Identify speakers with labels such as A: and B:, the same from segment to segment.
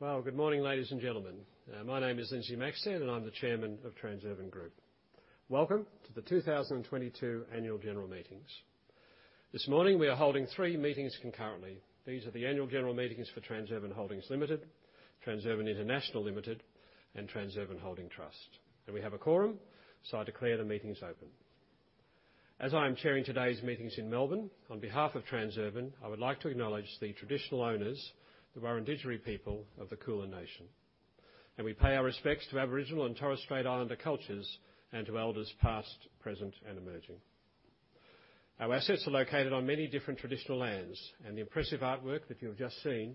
A: Well, good morning, ladies and gentlemen. My name is Lindsay Maxsted, and I'm the Chairman of Transurban Group. Welcome to the 2022 Annual General Meetings. This morning, we are holding three meetings concurrently. These are the annual general meetings for Transurban Holdings Limited, Transurban International Limited, and Transurban Holding Trust. We have a quorum, so I declare the meetings open. As I am chairing today's meetings in Melbourne, on behalf of Transurban, I would like to acknowledge the traditional owners, the Wurundjeri people of the Kulin nation. We pay our respects to Aboriginal and Torres Strait Islander cultures and to elders past, present, and emerging. Our assets are located on many different traditional lands, and the impressive artwork that you've just seen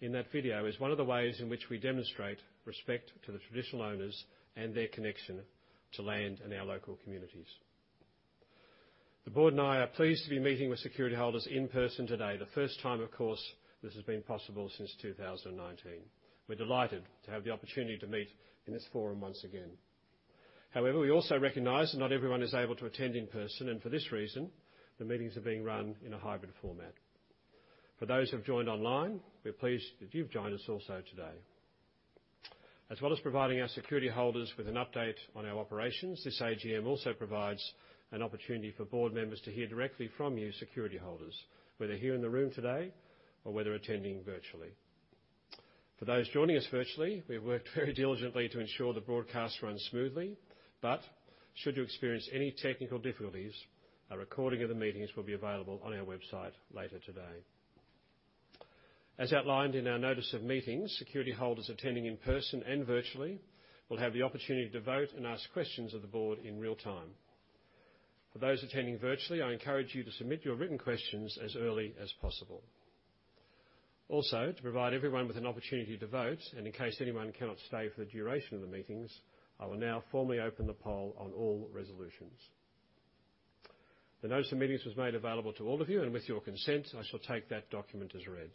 A: in that video is one of the ways in which we demonstrate respect to the traditional owners and their connection to land and our local communities. The board and I are pleased to be meeting with security holders in person today. The first time, of course, this has been possible since 2019. We're delighted to have the opportunity to meet in this forum once again. However, we also recognize that not everyone is able to attend in person, and for this reason, the meetings are being run in a hybrid format. For those who have joined online, we're pleased that you've joined us also today. As well as providing our security holders with an update on our operations, this AGM also provides an opportunity for board members to hear directly from you, security holders, whether here in the room today or whether attending virtually. For those joining us virtually, we have worked very diligently to ensure the broadcast runs smoothly, but should you experience any technical difficulties, a recording of the meetings will be available on our website later today. As outlined in our notice of meetings, security holders attending in person and virtually will have the opportunity to vote and ask questions of the board in real time. For those attending virtually, I encourage you to submit your written questions as early as possible. Also, to provide everyone with an opportunity to vote, and in case anyone cannot stay for the duration of the meetings, I will now formally open the poll on all resolutions. The notice of meetings was made available to all of you, and with your consent, I shall take that document as read.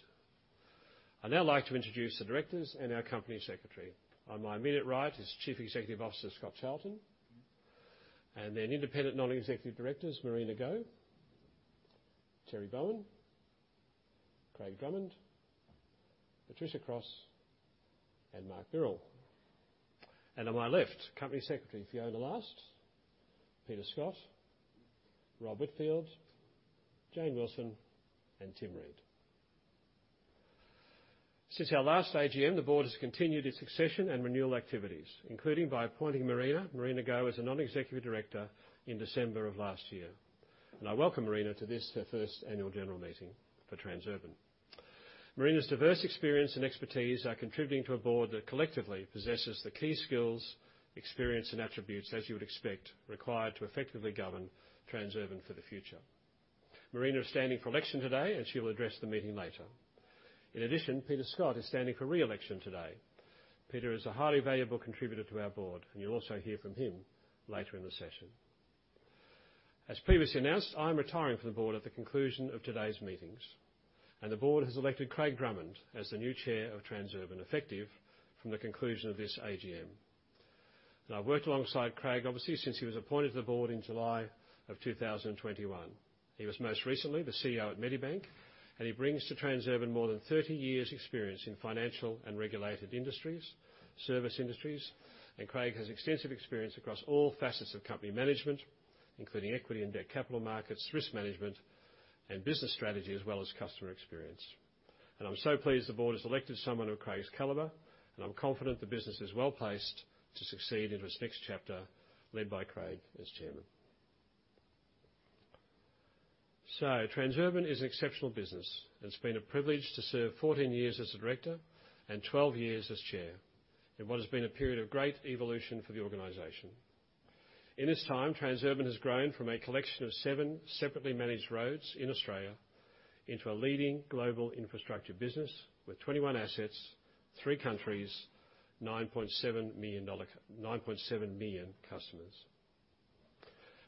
A: I'd now like to introduce the directors and our company secretary. On my immediate right is Chief Executive Officer Scott Charlton, and then independent non-executive directors Marina Go, Terry Bowen, Craig Drummond, Patricia Cross, and Mark Birrell. On my left, Company Secretary Fiona Last, Peter Scott, Rob Whitfield, Jane Wilson, and Tim Reed. Since our last AGM, the board has continued its succession and renewal activities, including by appointing Marina Go, as a non-executive director in December of last year. I welcome Marina to this, her first annual general meeting for Transurban. Marina's diverse experience and expertise are contributing to a board that collectively possesses the key skills, experience, and attributes, as you would expect, required to effectively govern Transurban for the future. Marina is standing for election today, and she will address the meeting later. In addition, Peter Scott is standing for re-election today. Peter is a highly valuable contributor to our board, and you'll also hear from him later in the session. As previously announced, I'm retiring from the board at the conclusion of today's meetings, and the board has elected Craig Drummond as the new chair of Transurban, effective from the conclusion of this AGM. Now, I've worked alongside Craig, obviously, since he was appointed to the board in July of 2021. He was most recently the CEO at Medibank, and he brings to Transurban more than 30 years' experience in financial and regulated industries, service industries. Craig has extensive experience across all facets of company management, including equity and debt capital markets, risk management, and business strategy, as well as customer experience. I'm so pleased the board has elected someone of Craig's caliber, and I'm confident the business is well-placed to succeed into its next chapter, led by Craig as chairman. Transurban is an exceptional business. It's been a privilege to serve 14 years as a director and 12 years as chair in what has been a period of great evolution for the organization. In this time, Transurban has grown from a collection of seven separately managed roads in Australia into a leading global infrastructure business with 21 assets, 3 countries, 9.7 million customers.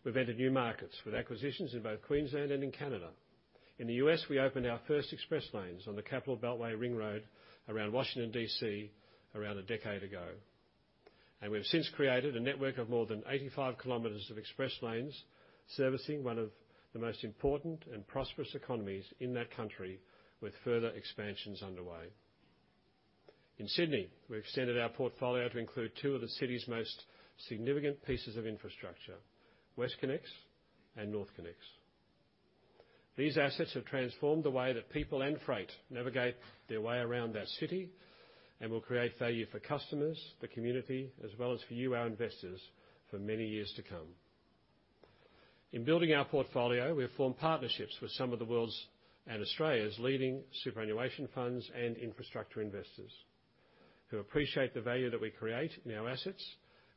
A: We've entered new markets with acquisitions in both Queensland and in Canada. In the U.S., we opened our first Express Lanes on the Capital Beltway ring road around Washington, D.C., around a decade ago. We've since created a network of more than 85 km of Express Lanes, servicing one of the most important and prosperous economies in that country with further expansions underway. In Sydney, we've extended our portfolio to include two of the city's most significant pieces of infrastructure, WestConnex and NorthConnex. These assets have transformed the way that people and freight navigate their way around that city and will create value for customers, the community, as well as for you, our investors, for many years to come. In building our portfolio, we have formed partnerships with some of the world's and Australia's leading superannuation funds and infrastructure investors who appreciate the value that we create in our assets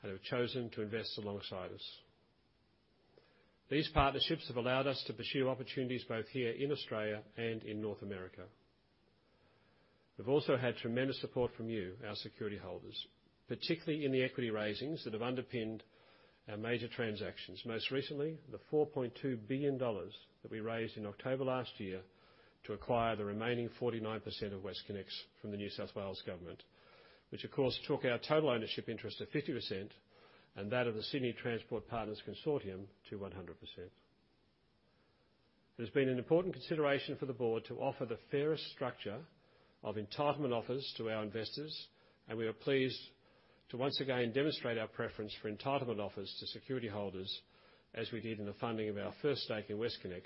A: and have chosen to invest alongside us. These partnerships have allowed us to pursue opportunities both here in Australia and in North America. We've also had tremendous support from you, our security holders, particularly in the equity raisings that have underpinned our major transactions. Most recently, the 4.2 billion dollars that we raised in October last year to acquire the remaining 49% of WestConnex from the New South Wales government, which of course took our total ownership interest to 50% and that of the Sydney Transport Partners consortium to 100%. It has been an important consideration for the board to offer the fairest structure of entitlement offers to our investors, and we are pleased to once again demonstrate our preference for entitlement offers to security holders, as we did in the funding of our first stake in WestConnex,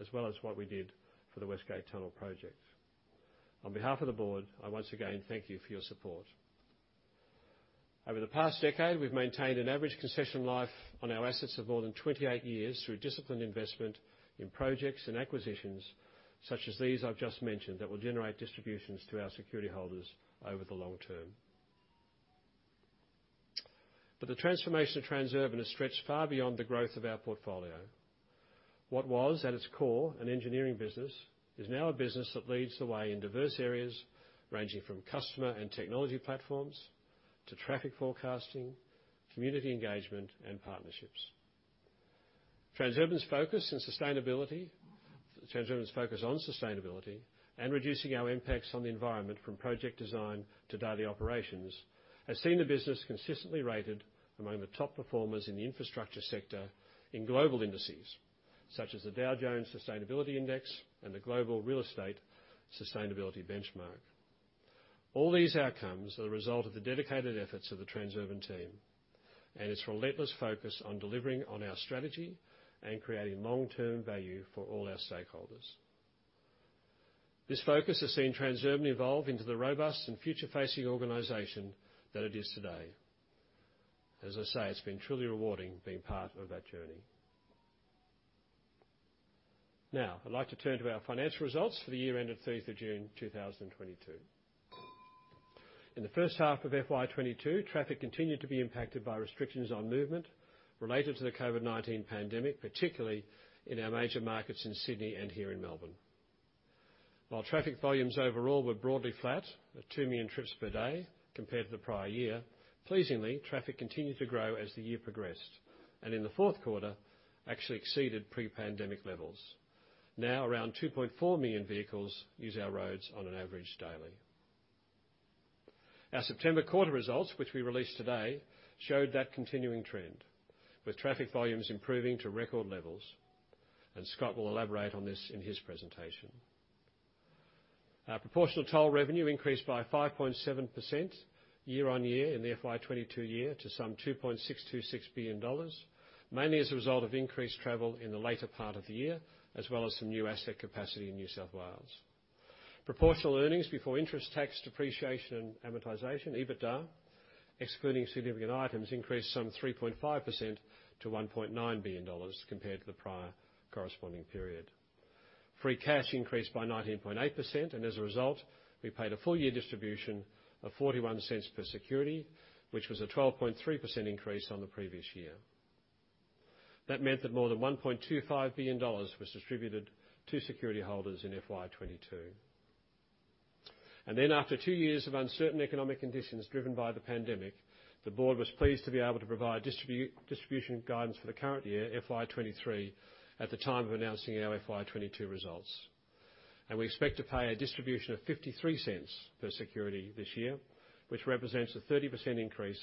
A: as well as what we did for the West Gate Tunnel project. On behalf of the board, I once again thank you for your support. Over the past decade, we've maintained an average concession life on our assets of more than 28 years through disciplined investment in projects and acquisitions such as these I've just mentioned that will generate distributions to our security holders over the long term. The transformation of Transurban has stretched far beyond the growth of our portfolio. What was, at its core, an engineering business, is now a business that leads the way in diverse areas ranging from customer and technology platforms to traffic forecasting, community engagement, and partnerships. Transurban's focus on sustainability and reducing our impacts on the environment, from project design to daily operations, has seen the business consistently rated among the top performers in the infrastructure sector in global indices, such as the Dow Jones Sustainability Index and the Global Real Estate Sustainability Benchmark. All these outcomes are the result of the dedicated efforts of the Transurban team and its relentless focus on delivering on our strategy and creating long-term value for all our stakeholders. This focus has seen Transurban evolve into the robust and future-facing organization that it is today. As I say, it's been truly rewarding being part of that journey. Now, I'd like to turn to our financial results for the year ended 3 June 2022. In H1 of FY 2022, traffic continued to be impacted by restrictions on movement related to the COVID-19 pandemic, particularly in our major markets in Sydney and here in Melbourne. While traffic volumes overall were broadly flat at 2 million trips per day compared to the prior year, pleasingly, traffic continued to grow as the year progressed, and in Q4 actually exceeded pre-pandemic levels. Now around 2.4 million vehicles use our roads on an average daily. Our September quarter results, which we released today, showed that continuing trend, with traffic volumes improving to record levels, and Scott will elaborate on this in his presentation. Our proportional toll revenue increased by 5.7% year-on-year in the FY22 year to some 2.626 billion dollars, mainly as a result of increased travel in the later part of the year, as well as some new asset capacity in New South Wales. Proportional earnings before interest, tax, depreciation, and amortization, EBITDA, excluding significant items, increased some 3.5% to 1.9 billion dollars compared to the prior corresponding period. Free cash increased by 19.8%, and as a result, we paid a full year distribution of 0.41 per security, which was a 12.3% increase on the previous year. That meant that more than 1.25 billion dollars was distributed to security holders in FY 2022. After two years of uncertain economic conditions driven by the pandemic, the board was pleased to be able to provide distribution guidance for the current year, FY 2023, at the time of announcing our FY 2022 results. We expect to pay a distribution of 0.53 per security this year, which represents a 30% increase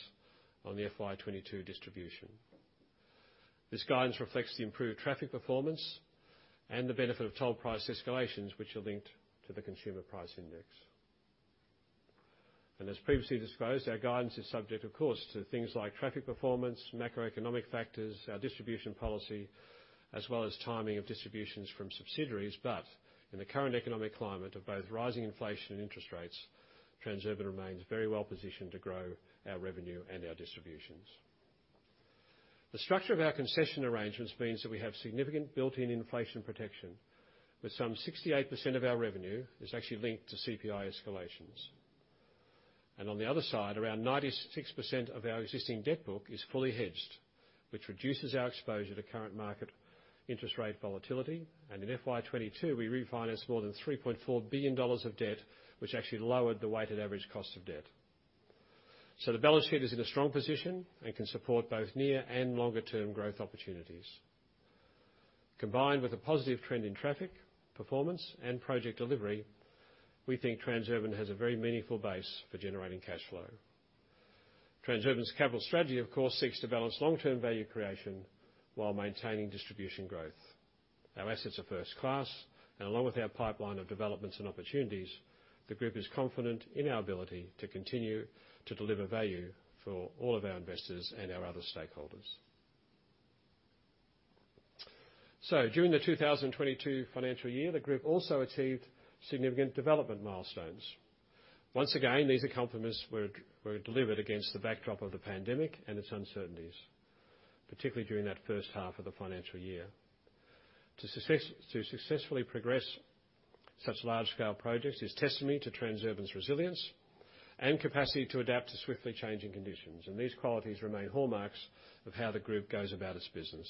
A: on the FY 2022 distribution. This guidance reflects the improved traffic performance and the benefit of toll price escalations, which are linked to the Consumer Price Index. As previously disclosed, our guidance is subject of course to things like traffic performance, macroeconomic factors, our distribution policy, as well as timing of distributions from subsidiaries. In the current economic climate of both rising inflation and interest rates, Transurban remains very well-positioned to grow our revenue and our distributions. The structure of our concession arrangements means that we have significant built-in inflation protection, with some 68% of our revenue is actually linked to CPI escalations. On the other side, around 96% of our existing debt book is fully hedged, which reduces our exposure to current market interest rate volatility. In FY 2022, we refinanced more than 3.4 billion dollars of debt, which actually lowered the weighted average cost of debt. The balance sheet is in a strong position and can support both near and longer term growth opportunities. Combined with a positive trend in traffic, performance, and project delivery, we think Transurban has a very meaningful base for generating cash flow. Transurban's capital strategy, of course, seeks to balance long-term value creation while maintaining distribution growth. Our assets are first-class, and along with our pipeline of developments and opportunities, the group is confident in our ability to continue to deliver value for all of our investors and our other stakeholders. During the 2022 financial year, the group also achieved significant development milestones. Once again, these accomplishments were delivered against the backdrop of the pandemic and its uncertainties, particularly during that H1 of the financial year. To successfully progress such large-scale projects is testimony to Transurban's resilience and capacity to adapt to swiftly changing conditions, and these qualities remain hallmarks of how the group goes about its business.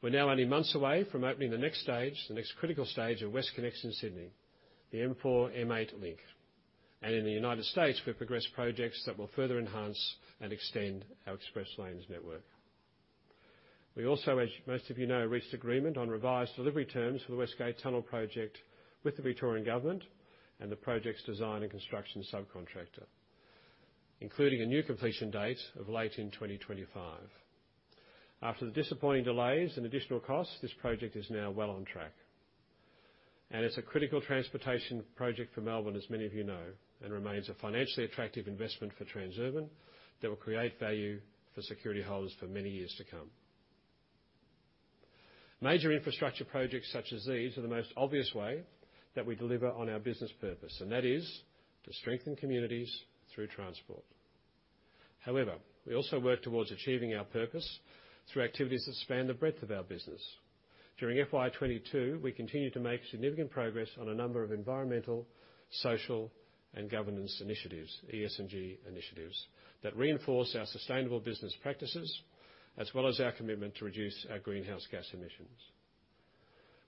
A: We're now only months away from opening the next stage, the next critical stage of WestConnex in Sydney, the M4-M8 link. In the United States, we've progressed projects that will further enhance and extend our Express Lanes network. We also, as most of you know, reached agreement on revised delivery terms for the West Gate Tunnel project with the Victorian Government and the project's design and construction subcontractor. Including a new completion date of late in 2025. After the disappointing delays and additional costs, this project is now well on track. It's a critical transportation project for Melbourne, as many of you know, and remains a financially attractive investment for Transurban that will create value for security holders for many years to come. Major infrastructure projects such as these are the most obvious way that we deliver on our business purpose, and that is to strengthen communities through transport. However, we also work towards achieving our purpose through activities that span the breadth of our business. During FY 2022, we continued to make significant progress on a number of environmental, social, and governance initiatives, ESG initiatives, that reinforce our sustainable business practices as well as our commitment to reduce our greenhouse gas emissions.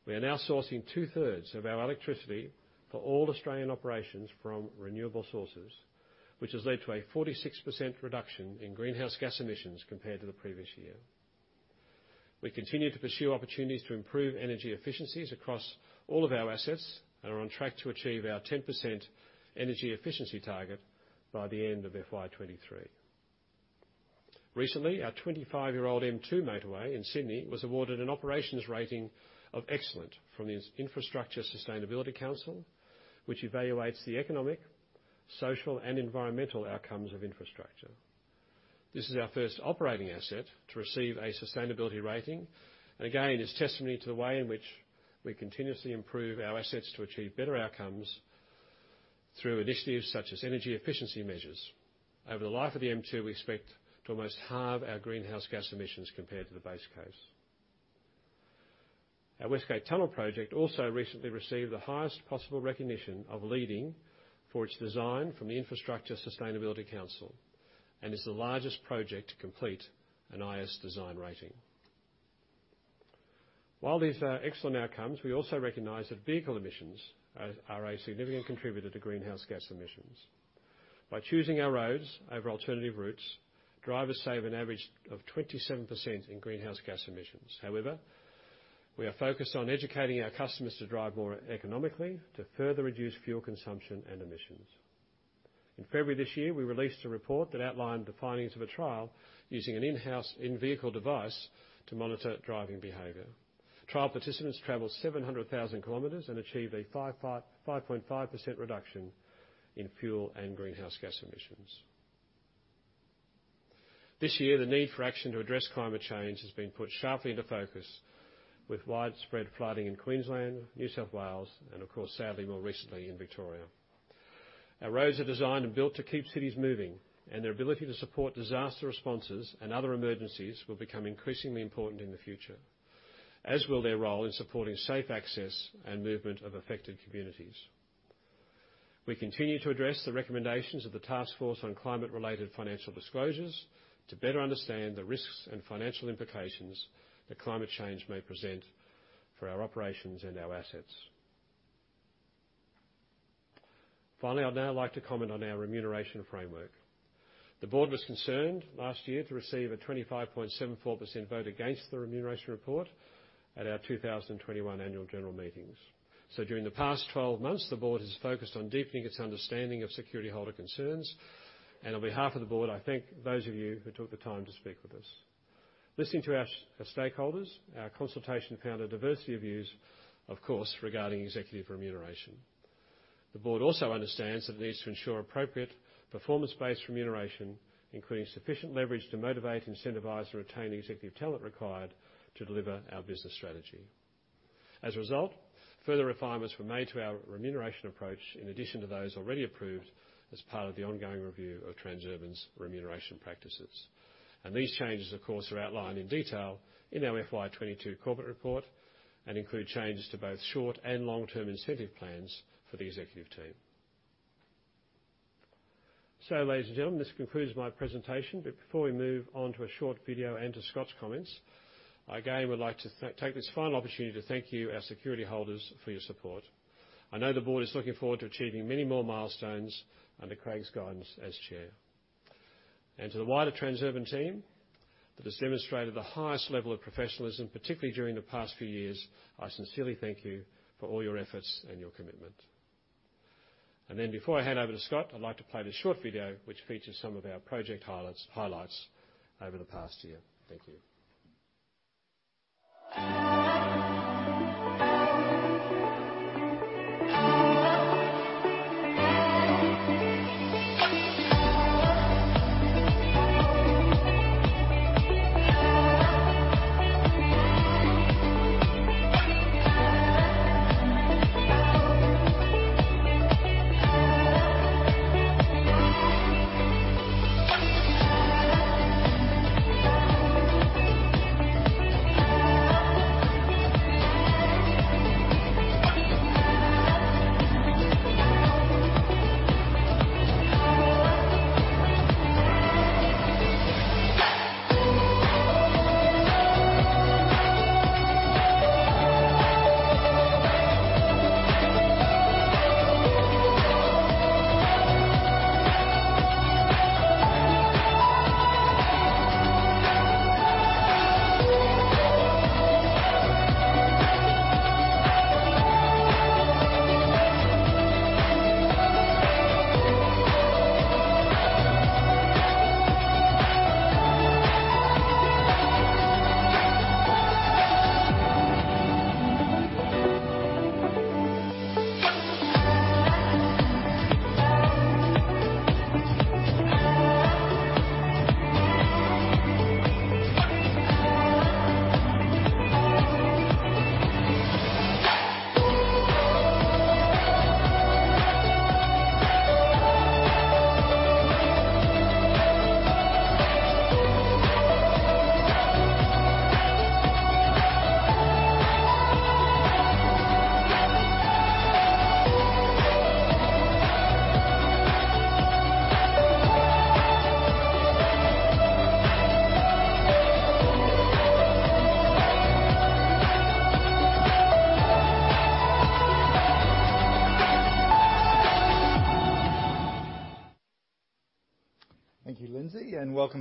A: We are now sourcing two-thirds of our electricity for all Australian operations from renewable sources, which has led to a 46% reduction in greenhouse gas emissions compared to the previous year. We continue to pursue opportunities to improve energy efficiencies across all of our assets and are on track to achieve our 10% energy efficiency target by the end of FY 2023. Recently, our 25-year-old M2 motorway in Sydney was awarded an operations rating of excellent from the Infrastructure Sustainability Council, which evaluates the economic, social, and environmental outcomes of infrastructure. This is our first operating asset to receive a sustainability rating and again, is testimony to the way in which we continuously improve our assets to achieve better outcomes through initiatives such as energy efficiency measures. Over the life of the M2, we expect to almost halve our greenhouse gas emissions compared to the base case. Our West Gate Tunnel project also recently received the highest possible recognition of leading for its design from the Infrastructure Sustainability Council and is the largest project to complete an IS design rating. While these are excellent outcomes, we also recognize that vehicle emissions are a significant contributor to greenhouse gas emissions. By choosing our roads over alternative routes, drivers save an average of 27% in greenhouse gas emissions. However, we are focused on educating our customers to drive more economically to further reduce fuel consumption and emissions. In February this year, we released a report that outlined the findings of a trial using an in-house, in-vehicle device to monitor driving behavior. Trial participants traveled 700,000 kilometers and achieved a 5.5% reduction in fuel and greenhouse gas emissions. This year, the need for action to address climate change has been put sharply into focus with widespread flooding in Queensland, New South Wales and of course, sadly, more recently in Victoria. Our roads are designed and built to keep cities moving, and their ability to support disaster responses and other emergencies will become increasingly important in the future, as will their role in supporting safe access and movement of affected communities. We continue to address the recommendations of the Task Force on Climate-related Financial Disclosures to better understand the risks and financial implications that climate change may present for our operations and our assets. Finally, I'd now like to comment on our remuneration framework. The board was concerned last year to receive a 25.74% vote against the remuneration report at our 2021 annual general meetings. During the past 12 months, the board has focused on deepening its understanding of security holder concerns. On behalf of the board, I thank those of you who took the time to speak with us. Listening to our stakeholders, our consultation found a diversity of views, of course, regarding executive remuneration. The board also understands that it needs to ensure appropriate performance-based remuneration, including sufficient leverage to motivate, incentivize, and retain the executive talent required to deliver our business strategy. As a result, further refinements were made to our remuneration approach in addition to those already approved as part of the ongoing review of Transurban's remuneration practices. These changes, of course, are outlined in detail in our FY22 corporate report and include changes to both short- and long-term incentive plans for the executive team. Ladies and gentlemen, this concludes my presentation. Before we move on to a short video and to Scott's comments, I again would like to take this final opportunity to thank you, our security holders, for your support. I know the board is looking forward to achieving many more milestones under Craig's guidance as chair. To the wider Transurban team that has demonstrated the highest level of professionalism, particularly during the past few years, I sincerely thank you for all your efforts and your commitment. Before I hand over to Scott, I'd like to play this short video, which features some of our project highlights over the past year. Thank you.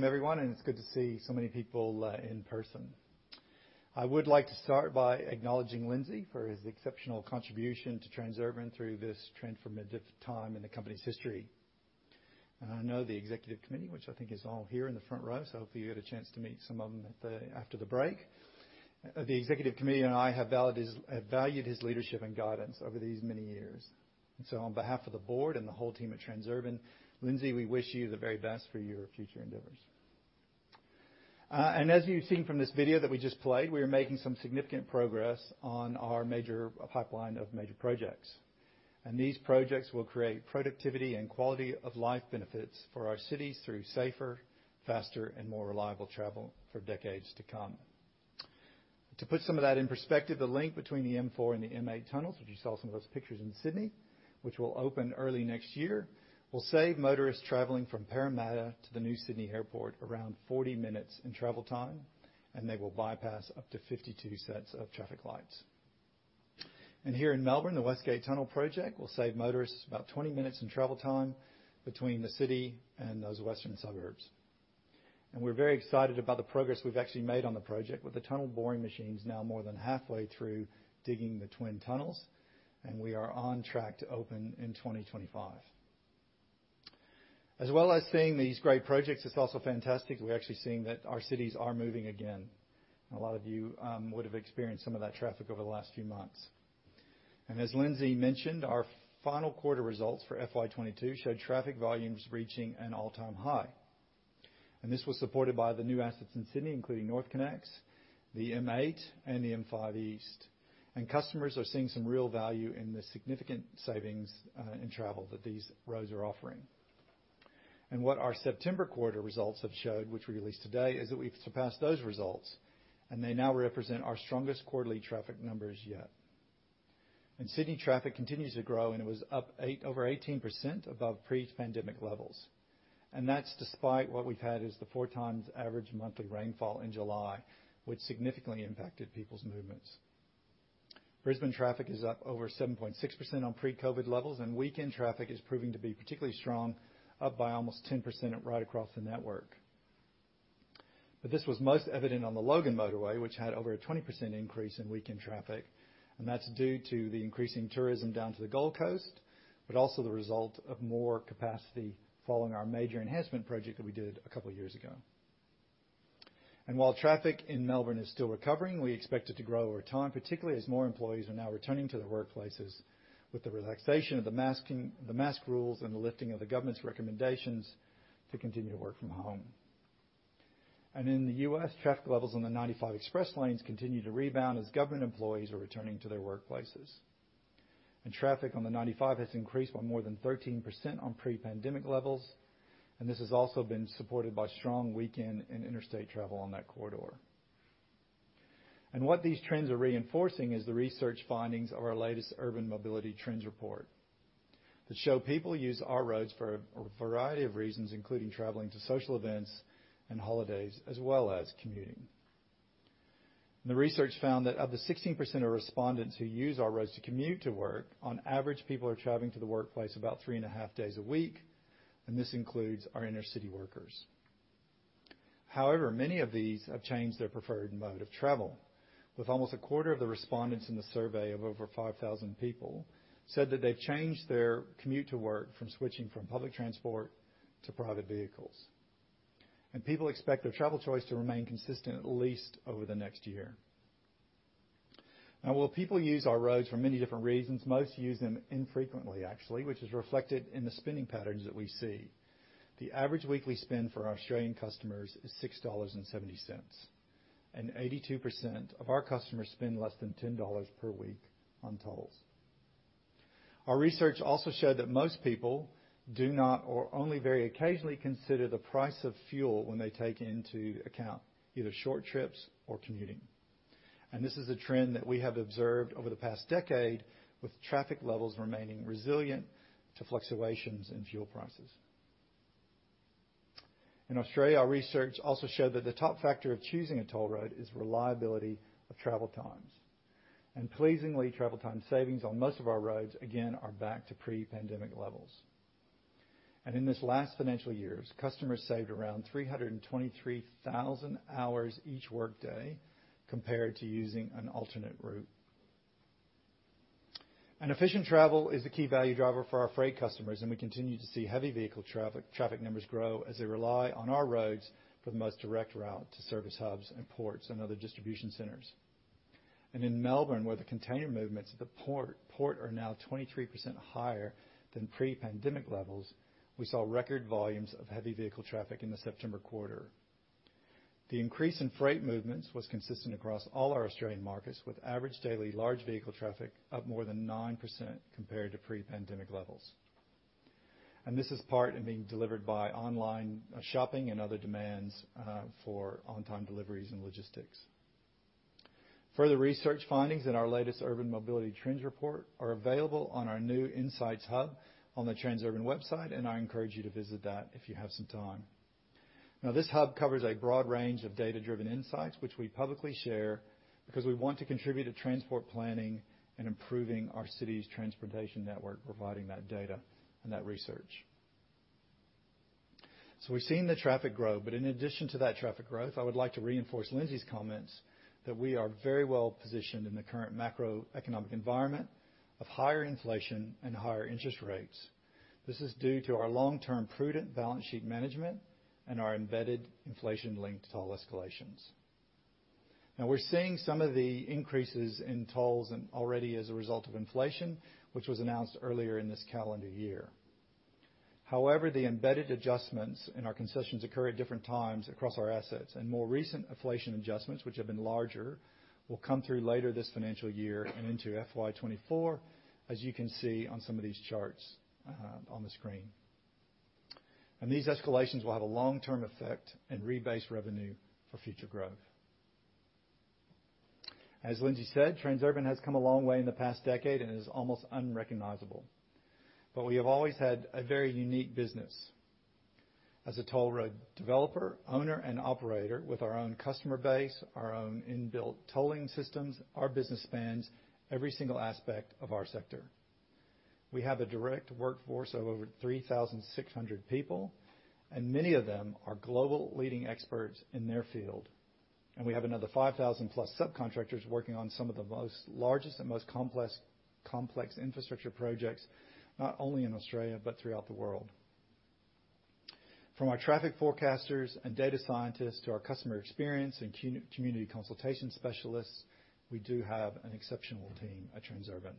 B: Thank you, Lindsay, and welcome everyone, and it's good to see so many people in person. I would like to start by acknowledging Lindsay for his exceptional contribution to Transurban through this transformative time in the company's history. I know the executive committee, which I think is all here in the front row, so hopefully you had a chance to meet some of them after the break. The executive committee and I have valued his leadership and guidance over these many years. On behalf of the board and the whole team at Transurban, Lindsay, we wish you the very best for your future endeavors. As you've seen from this video that we just played, we are making some significant progress on our major pipeline of major projects. These projects will create productivity and quality of life benefits for our cities through safer, faster, and more reliable travel for decades to come. To put some of that in perspective, the link between the M4 and the M8 tunnels, which you saw some of those pictures in Sydney, which will open early next year, will save motorists traveling from Parramatta to the new Sydney Airport around 40 minutes in travel time, and they will bypass up to 52 sets of traffic lights. Here in Melbourne, the West Gate Tunnel project will save motorists about 20 minutes in travel time between the city and those western suburbs. We're very excited about the progress we've actually made on the project with the tunnel boring machines now more than halfway through digging the twin tunnels, and we are on track to open in 2025. As well as seeing these great projects, it's also fantastic that we're actually seeing that our cities are moving again. A lot of you would have experienced some of that traffic over the last few months. As Lindsay mentioned, our final quarter results for FY 2022 showed traffic volumes reaching an all-time high. This was supported by the new assets in Sydney, including NorthConnex, the M8, and the M5 East. Customers are seeing some real value in the significant savings in travel that these roads are offering. What our September quarter results have showed, which we released today, is that we've surpassed those results, and they now represent our strongest quarterly traffic numbers yet. Sydney traffic continues to grow, and it was up over 18% above pre-pandemic levels. That's despite what we've had is the 4 times average monthly rainfall in July, which significantly impacted people's movements. Brisbane traffic is up over 7.6% on pre-COVID levels, and weekend traffic is proving to be particularly strong, up by almost 10% right across the network. This was most evident on the Logan Motorway, which had over a 20% increase in weekend traffic, and that's due to the increasing tourism down to the Gold Coast, but also the result of more capacity following our major enhancement project that we did a couple of years ago. While traffic in Melbourne is still recovering, we expect it to grow over time, particularly as more employees are now returning to their workplaces with the relaxation of the mask rules and the lifting of the government's recommendations to continue to work from home. In the U.S., traffic levels on the 95 Express Lanes continue to rebound as government employees are returning to their workplaces. Traffic on the 95 has increased by more than 13% on pre-pandemic levels, and this has also been supported by strong weekend and interstate travel on that corridor. What these trends are reinforcing is the research findings of our latest Urban Mobility Trends Report that show people use our roads for a variety of reasons, including traveling to social events and holidays, as well as commuting. The research found that of the 16% of respondents who use our roads to commute to work, on average, people are traveling to the workplace about three and a half days a week, and this includes our inner-city workers. However, many of these have changed their preferred mode of travel, with almost a quarter of the respondents in the survey of over 5,000 people said that they've changed their commute to work from switching from public transport to private vehicles. People expect their travel choice to remain consistent at least over the next year. Now, while people use our roads for many different reasons, most use them infrequently, actually, which is reflected in the spending patterns that we see. The average weekly spend for our Australian customers is 6.70 dollars, and 82% of our customers spend less than 10 dollars per week on tolls. Our research also showed that most people do not or only very occasionally consider the price of fuel when they take into account either short trips or commuting. This is a trend that we have observed over the past decade, with traffic levels remaining resilient to fluctuations in fuel prices. In Australia, our research also showed that the top factor of choosing a toll road is reliability of travel times. Pleasingly, travel time savings on most of our roads, again, are back to pre-pandemic levels. In this last financial year, customers saved around 323,000 hours each workday compared to using an alternate route. Efficient travel is the key value driver for our freight customers, and we continue to see heavy vehicle traffic numbers grow as they rely on our roads for the most direct route to service hubs and ports and other distribution centers. In Melbourne, where the container movements at the port are now 23% higher than pre-pandemic levels, we saw record volumes of heavy vehicle traffic in the September quarter. The increase in freight movements was consistent across all our Australian markets, with average daily large vehicle traffic up more than 9% compared to pre-pandemic levels. This is partly being delivered by online shopping and other demands for on-time deliveries and logistics. Further research findings in our latest Urban Mobility Trends Report are available on our new Insights hub on the Transurban website, and I encourage you to visit that if you have some time. This hub covers a broad range of data-driven insights, which we publicly share because we want to contribute to transport planning and improving our city's transportation network, providing that data and that research. We've seen the traffic grow, but in addition to that traffic growth, I would like to reinforce Lindsay's comments that we are very well positioned in the current macroeconomic environment of higher inflation and higher interest rates. This is due to our long-term prudent balance sheet management and our embedded inflation-linked toll escalations. Now we're seeing some of the increases in tolls and already as a result of inflation, which was announced earlier in this calendar year. However, the embedded adjustments in our concessions occur at different times across our assets, and more recent inflation adjustments, which have been larger, will come through later this financial year and into FY 2024, as you can see on some of these charts, on the screen. These escalations will have a long-term effect and rebase revenue for future growth. As Lindsay said, Transurban has come a long way in the past decade and is almost unrecognizable. We have always had a very unique business. As a toll road developer, owner, and operator with our own customer base, our own inbuilt tolling systems, our business spans every single aspect of our sector. We have a direct workforce of over 3,600 people, and many of them are global leading experts in their field. We have another 5,000+ subcontractors working on some of the most largest and most complex infrastructure projects, not only in Australia, but throughout the world. From our traffic forecasters and data scientists to our customer experience and community consultation specialists, we do have an exceptional team at Transurban.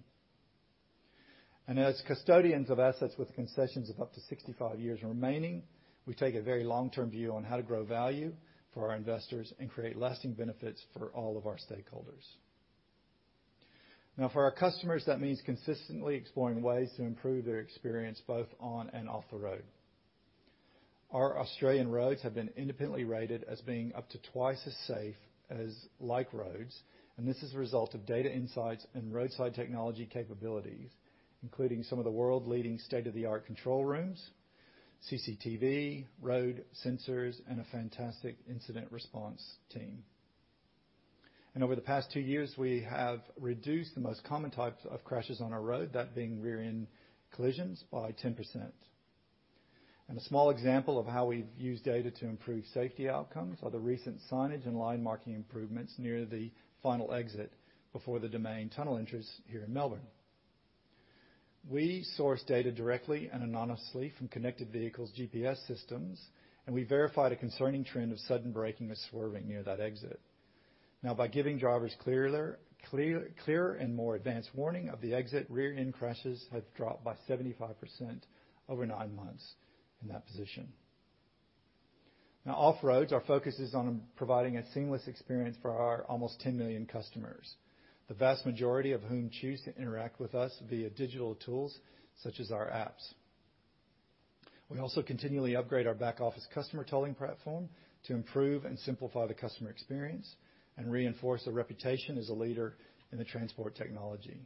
B: As custodians of assets with concessions of up to 65 years remaining, we take a very long-term view on how to grow value for our investors and create lasting benefits for all of our stakeholders. Now for our customers, that means consistently exploring ways to improve their experience both on and off the road. Our Australian roads have been independently rated as being up to twice as safe as like roads, and this is a result of data insights and roadside technology capabilities, including some of the world-leading state-of-the-art control rooms, CCTV, road sensors, and a fantastic incident response team. Over the past two years, we have reduced the most common types of crashes on our road, that being rear-end collisions, by 10%. A small example of how we've used data to improve safety outcomes are the recent signage and line marking improvements near the final exit before the Domain tunnel entrance here in Melbourne. We source data directly and anonymously from connected vehicles' GPS systems, and we verified a concerning trend of sudden braking and swerving near that exit. Now by giving drivers clearer and more advanced warning of the exit, rear-end crashes have dropped by 75% over nine months in that position. Now off roads, our focus is on providing a seamless experience for our almost 10 million customers, the vast majority of whom choose to interact with us via digital tools such as our apps. We also continually upgrade our back-office customer tolling platform to improve and simplify the customer experience and reinforce the reputation as a leader in the transport technology.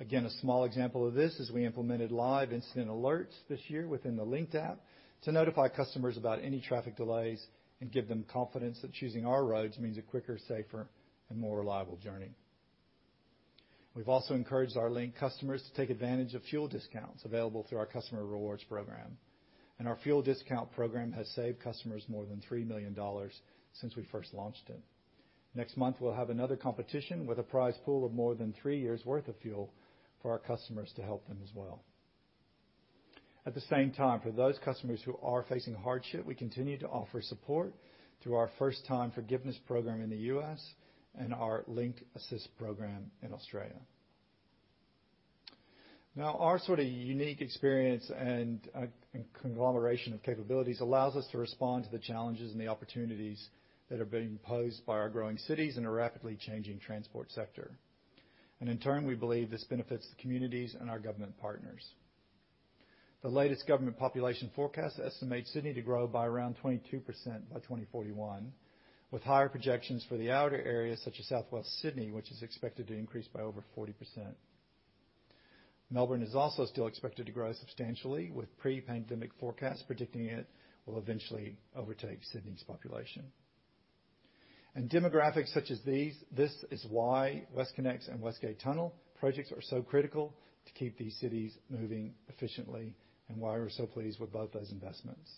B: Again, a small example of this is we implemented live incident alerts this year within the Linkt app to notify customers about any traffic delays and give them confidence that choosing our roads means a quicker, safer, and more reliable journey. We've also encouraged our Linkt customers to take advantage of fuel discounts available through our customer rewards program. Our fuel discount program has saved customers more than 3 million dollars since we first launched it. Next month, we'll have another competition with a prize pool of more than 3 years' worth of fuel for our customers to help them as well. At the same time, for those customers who are facing hardship, we continue to offer support through our first-time forgiveness program in the U.S. and our Linkt Assist program in Australia. Now, our sort of unique experience and conglomeration of capabilities allows us to respond to the challenges and the opportunities that are being posed by our growing cities in a rapidly changing transport sector. In turn, we believe this benefits the communities and our government partners. The latest government population forecast estimates Sydney to grow by around 22% by 2041, with higher projections for the outer areas such as Southwest Sydney, which is expected to increase by over 40%. Melbourne is also still expected to grow substantially, with pre-pandemic forecasts predicting it will eventually overtake Sydney's population. Demographics such as these, this is why WestConnex and West Gate Tunnel projects are so critical to keep these cities moving efficiently and why we're so pleased with both those investments.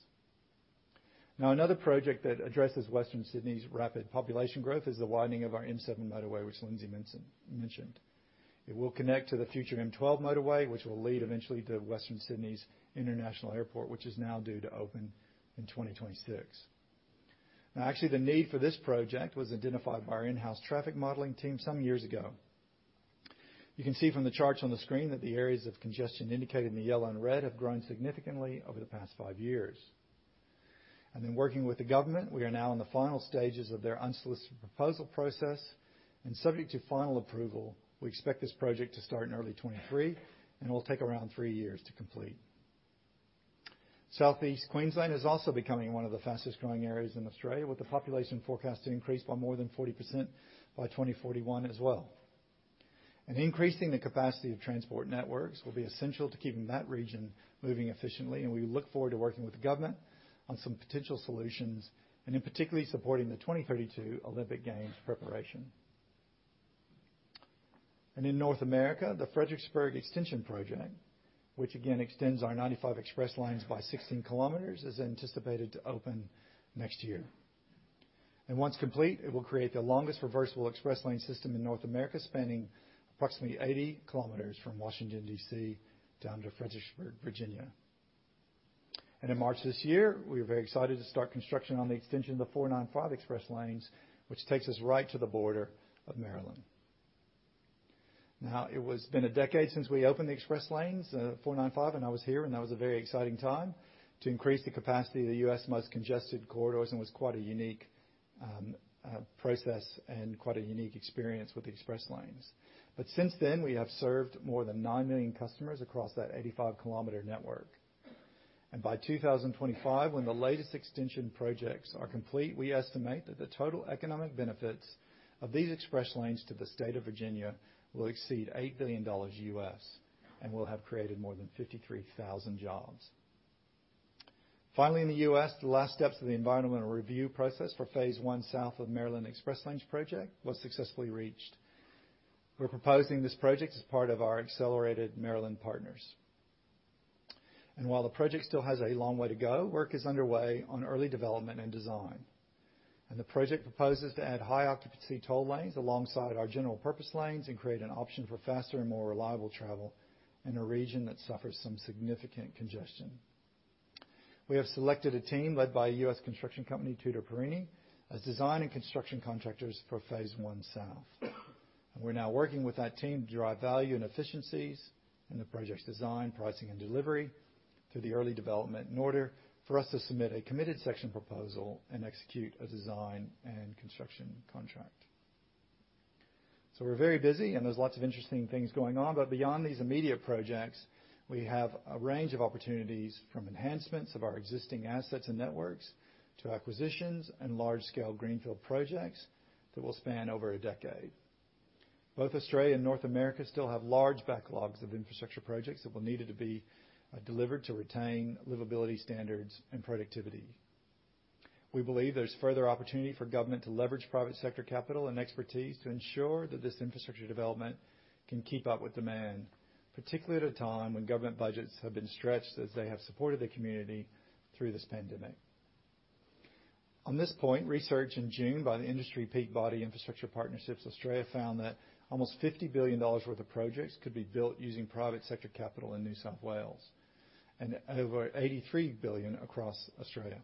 B: Now, another project that addresses Western Sydney's rapid population growth is the widening of our M7 Motorway, which Lindsay Maxsted mentioned. It will connect to the future M12 Motorway, which will lead eventually to Western Sydney's international airport, which is now due to open in 2026. Now, actually the need for this project was identified by our in-house traffic modeling team some years ago. You can see from the charts on the screen that the areas of congestion indicated in the yellow and red have grown significantly over the past 5 years. In working with the government, we are now in the final stages of their unsolicited proposal process, and subject to final approval, we expect this project to start in early 2023 and will take around 3 years to complete. Southeast Queensland is also becoming one of the fastest-growing areas in Australia, with the population forecast to increase by more than 40% by 2041 as well. Increasing the capacity of transport networks will be essential to keeping that region moving efficiently, and we look forward to working with the government on some potential solutions and in particular supporting the 2032 Olympic Games preparation. In North America, the Fredericksburg Extension project, which again extends our 95 Express Lanes by 16 km, is anticipated to open next year. Once complete, it will create the longest reversible express lane system in North America, spanning approximately 80 km from Washington, D.C. down to Fredericksburg, Virginia. In March this year, we are very excited to start construction on the extension of the 495 Express Lanes, which takes us right to the border of Maryland. It's been a decade since we opened the 495 Express Lanes, and I was here, and that was a very exciting time to increase the capacity of the U.S.'s most congested corridors and was quite a unique process and quite a unique experience with the Express Lanes. Since then, we have served more than 9 million customers across that 85-kilometer network. By 2025, when the latest extension projects are complete, we estimate that the total economic benefits of these Express Lanes to the state of Virginia will exceed $8 billion, and we'll have created more than 53,000 jobs. Finally, in the U.S., the last steps of the environmental review process for phase one south of Maryland Express Lanes project was successfully reached. We're proposing this project as part of our Accelerate Maryland Partners. While the project still has a long way to go, work is underway on early development and design. The project proposes to add high-occupancy toll lanes alongside our general-purpose lanes and create an option for faster and more reliable travel in a region that suffers some significant congestion. We have selected a team led by a U.S. construction company, Tutor Perini Corporation, as design and construction contractors for phase I south. We're now working with that team to derive value and efficiencies in the project's design, pricing, and delivery through the early development in order for us to submit a committed section proposal and execute a design and construction contract. We're very busy and there's lots of interesting things going on, but beyond these immediate projects, we have a range of opportunities from enhancements of our existing assets and networks to acquisitions and large-scale greenfield projects that will span over a decade. Both Australia and North America still have large backlogs of infrastructure projects that will need to be delivered to retain livability standards and productivity. We believe there's further opportunity for government to leverage private sector capital and expertise to ensure that this infrastructure development can keep up with demand, particularly at a time when government budgets have been stretched as they have supported the community through this pandemic. On this point, research in June by the industry peak body Infrastructure Partnerships Australia found that almost 50 billion dollars worth of projects could be built using private sector capital in New South Wales and over 83 billion across Australia.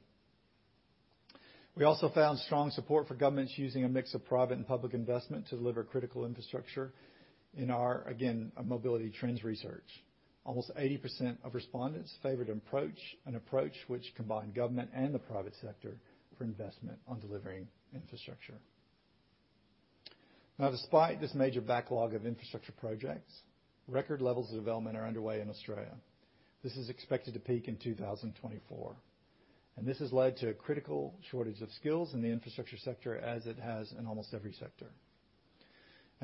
B: We also found strong support for governments using a mix of private and public investment to deliver critical infrastructure in our, again, mobility trends research. Almost 80% of respondents favored approach, an approach which combined government and the private sector for investment on delivering infrastructure. Now, despite this major backlog of infrastructure projects, record levels of development are underway in Australia. This is expected to peak in 2024, and this has led to a critical shortage of skills in the infrastructure sector as it has in almost every sector.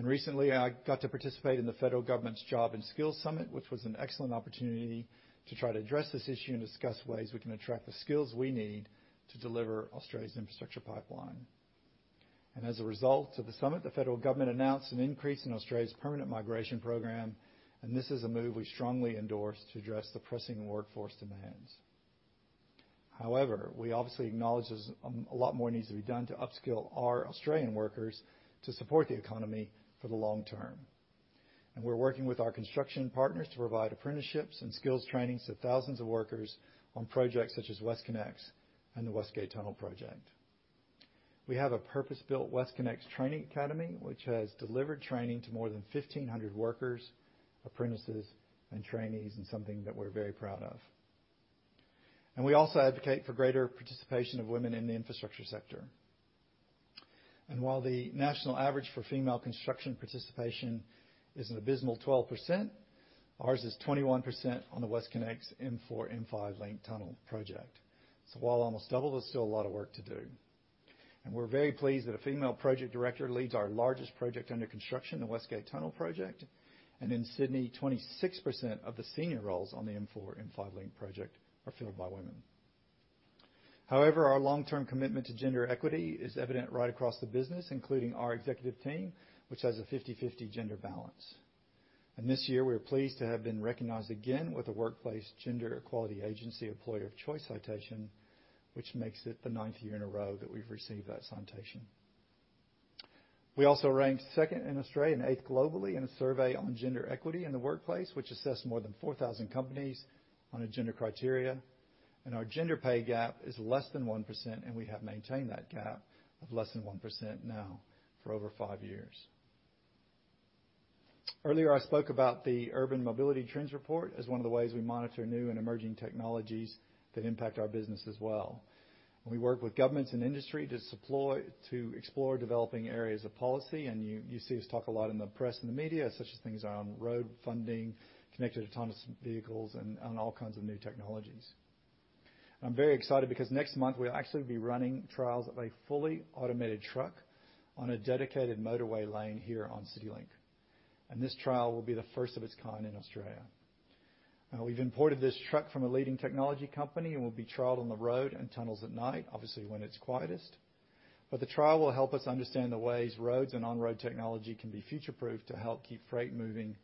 B: Recently, I got to participate in the federal government's Job and Skills Summit, which was an excellent opportunity to try to address this issue and discuss ways we can attract the skills we need to deliver Australia's infrastructure pipeline. As a result of the summit, the federal government announced an increase in Australia's permanent migration program, and this is a move we strongly endorse to address the pressing workforce demands. However, we obviously acknowledge there's a lot more needs to be done to upskill our Australian workers to support the economy for the long term. We're working with our construction partners to provide apprenticeships and skills training to thousands of workers on projects such as WestConnex and the West Gate Tunnel project. We have a purpose-built WestConnex training academy, which has delivered training to more than 1,500 workers, apprentices, and trainees, and something that we're very proud of. We also advocate for greater participation of women in the infrastructure sector. While the national average for female construction participation is an abysmal 12%, ours is 21% on the WestConnex M4-M5 Link Tunnel project. While almost double, there's still a lot of work to do. We're very pleased that a female project director leads our largest project under construction, the West Gate Tunnel project, and in Sydney, 26% of the senior roles on the M4-M5 Link project are filled by women. However, our long-term commitment to gender equity is evident right across the business, including our executive team, which has a 50/50 gender balance. This year, we are pleased to have been recognized again with the Workplace Gender Equality Agency Employer of Choice citation, which makes it the ninth year in a row that we've received that citation. We also ranked second in Australia and eighth globally in a survey on gender equity in the workplace, which assessed more than 4,000 companies on a gender criteria. Our gender pay gap is less than 1%, and we have maintained that gap of less than 1% now for over five years. Earlier, I spoke about the Urban Mobility Trends Report as one of the ways we monitor new and emerging technologies that impact our business as well. We work with governments and industry to explore developing areas of policy, and you see us talk a lot in the press and the media, such as things on road funding, connected autonomous vehicles and all kinds of new technologies. I'm very excited because next month we'll actually be running trials of a fully automated truck on a dedicated motorway lane here on CityLink, and this trial will be the first of its kind in Australia. We've imported this truck from a leading technology company and will be trialed on the road and tunnels at night, obviously, when it's quietest. The trial will help us understand the ways roads and on-road technology can be future-proofed to help keep freight moving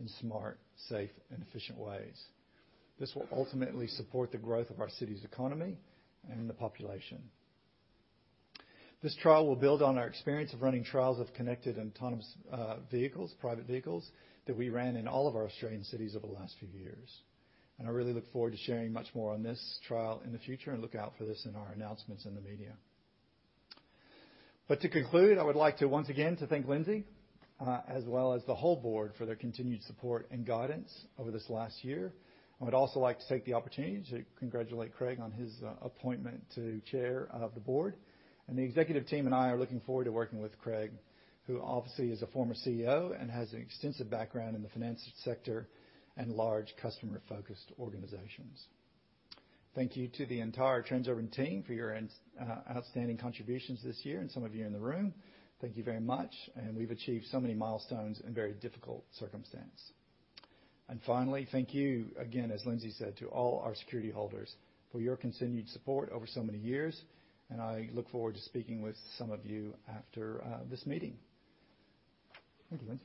B: in smart, safe, and efficient ways. This will ultimately support the growth of our city's economy and the population. This trial will build on our experience of running trials of connected and autonomous, vehicles, private vehicles that we ran in all of our Australian cities over the last few years. I really look forward to sharing much more on this trial in the future, and look out for this in our announcements in the media. To conclude, I would like to once again to thank Lindsay, as well as the whole board for their continued support and guidance over this last year. I would also like to take the opportunity to congratulate Craig on his, appointment to Chair of the board. The executive team and I are looking forward to working with Craig, who obviously is a former CEO and has an extensive background in the finance sector and large customer-focused organizations. Thank you to the entire Transurban team for your outstanding contributions this year, and some of you in the room. Thank you very much, and we've achieved so many milestones in very difficult circumstances. Finally, thank you again, as Lindsay said, to all our security holders for your continued support over so many years, and I look forward to speaking with some of you after this meeting. Thank you, Lindsay.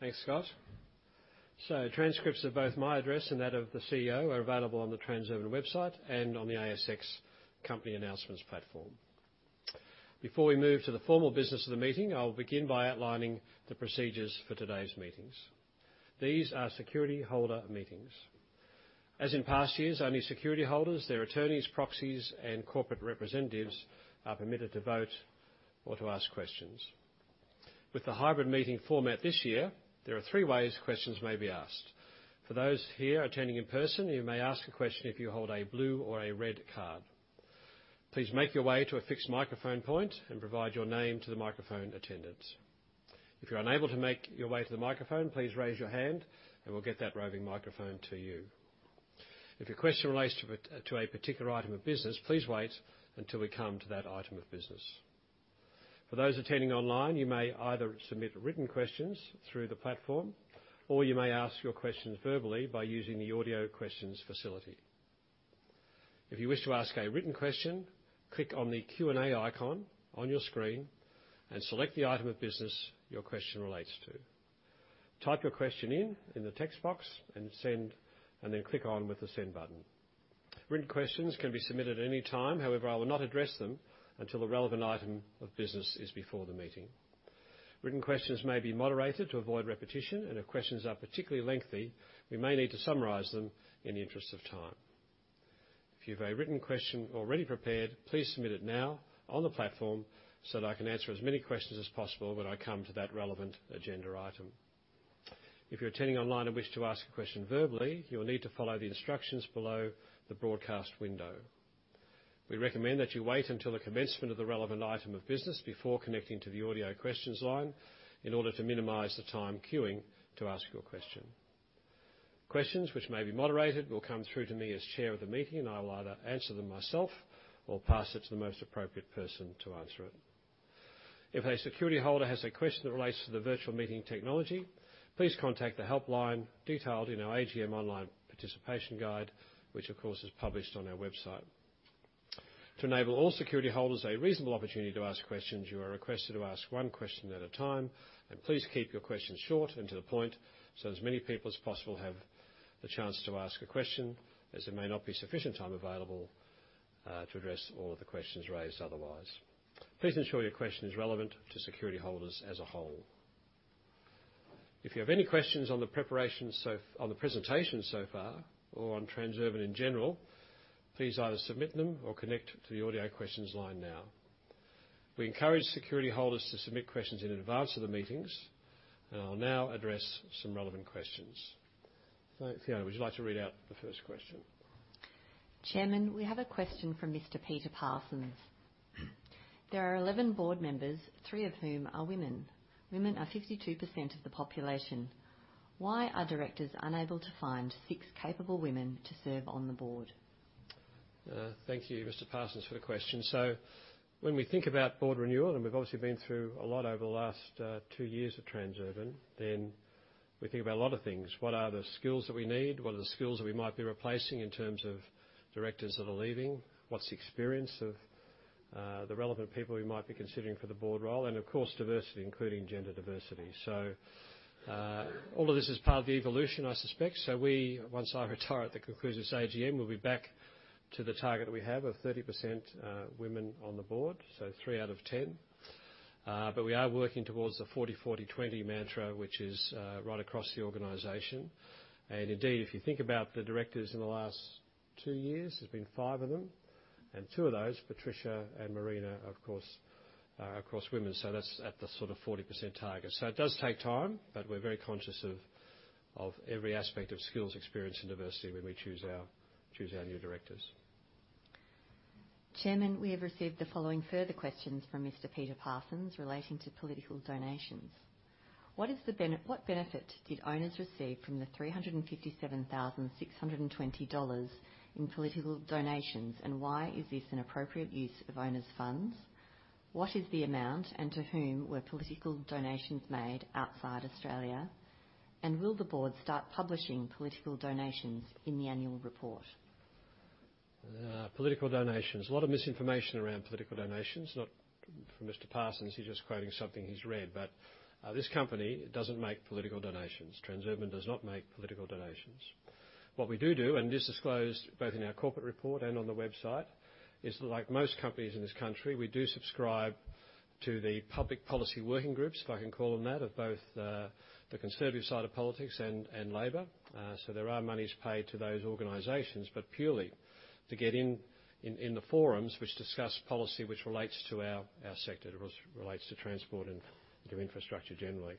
A: Thanks, Scott. Transcripts of both my address and that of the CEO are available on the Transurban website and on the ASX company announcements platform. Before we move to the formal business of the meeting, I will begin by outlining the procedures for today's meetings. These are security holder meetings. As in past years, only security holders, their attorneys, proxies, and corporate representatives are permitted to vote or to ask questions. With the hybrid meeting format this year, there are three ways questions may be asked. For those here attending in person, you may ask a question if you hold a blue or a red card. Please make your way to a fixed microphone point and provide your name to the microphone attendant. If you're unable to make your way to the microphone, please raise your hand and we'll get that roving microphone to you. If your question relates to a particular item of business, please wait until we come to that item of business. For those attending online, you may either submit written questions through the platform, or you may ask your question verbally by using the audio questions facility. If you wish to ask a written question, click on the Q&A icon on your screen and select the item of business your question relates to. Type your question in the text box and send, and then click on with the send button. Written questions can be submitted any time. However, I will not address them until the relevant item of business is before the meeting. Written questions may be moderated to avoid repetition, and if questions are particularly lengthy, we may need to summarize them in the interest of time. If you have a written question already prepared, please submit it now on the platform, so that I can answer as many questions as possible when I come to that relevant agenda item. If you're attending online and wish to ask a question verbally, you will need to follow the instructions below the broadcast window. We recommend that you wait until the commencement of the relevant item of business before connecting to the audio questions line in order to minimize the time queuing to ask your question. Questions which may be moderated will come through to me as Chair of the meeting, and I will either answer them myself or pass it to the most appropriate person to answer it. If a security holder has a question that relates to the virtual meeting technology, please contact the helpline detailed in our AGM online participation guide, which of course is published on our website. To enable all security holders a reasonable opportunity to ask questions, you are requested to ask one question at a time. Please keep your questions short and to the point, so as many people as possible have the chance to ask a question, as there may not be sufficient time available to address all of the questions raised otherwise. Please ensure your question is relevant to security holders as a whole. If you have any questions on the presentation so far or on Transurban in general, please either submit them or connect to the audio questions line now. We encourage security holders to submit questions in advance of the meetings. I'll now address some relevant questions. Fiona, would you like to read out the first question?
C: Chairman, we have a question from Mr. Peter Parsons. There are 11 board members, three of whom are women. Women are 52% of the population. Why are directors unable to find six capable women to serve on the board?
A: Thank you, Mr. Parsons, for the question. When we think about board renewal, and we've obviously been through a lot over the last two years at Transurban, then we think about a lot of things. What are the skills that we need? What are the skills that we might be replacing in terms of directors that are leaving? What's the experience of the relevant people we might be considering for the board role? Of course, diversity, including gender diversity. All of this is part of the evolution, I suspect. We, once I retire at the conclusion of this AGM, we'll be back to the target we have of 30% women on the board, so 3 out of 10. We are working towards the 40/40/20 mantra, which is right across the organization. Indeed, if you think about the directors in the last two years, there's been five of them, and two of those, Patricia and Marina, of course, are women. That's at the sort of 40% target. It does take time, but we're very conscious of every aspect of skills, experience, and diversity when we choose our new directors.
C: Chairman, we have received the following further questions from Mr. Peter Parsons relating to political donations. What benefit did owners receive from the 357,620 dollars in political donations, and why is this an appropriate use of owners' funds? What is the amount, and to whom were political donations made outside Australia? And will the board start publishing political donations in the annual report?
A: Political donations. A lot of misinformation around political donations, not from Mr. Parsons, he's just quoting something he's read, but this company doesn't make political donations. Transurban does not make political donations. What we do, and this is disclosed both in our corporate report and on the website, is like most companies in this country, we do subscribe to the public policy working groups, if I can call them that, of both the conservative side of politics and labor. So there are monies paid to those organizations, but purely to get in the forums which discuss policy which relates to our sector. It relates to transport and to infrastructure generally.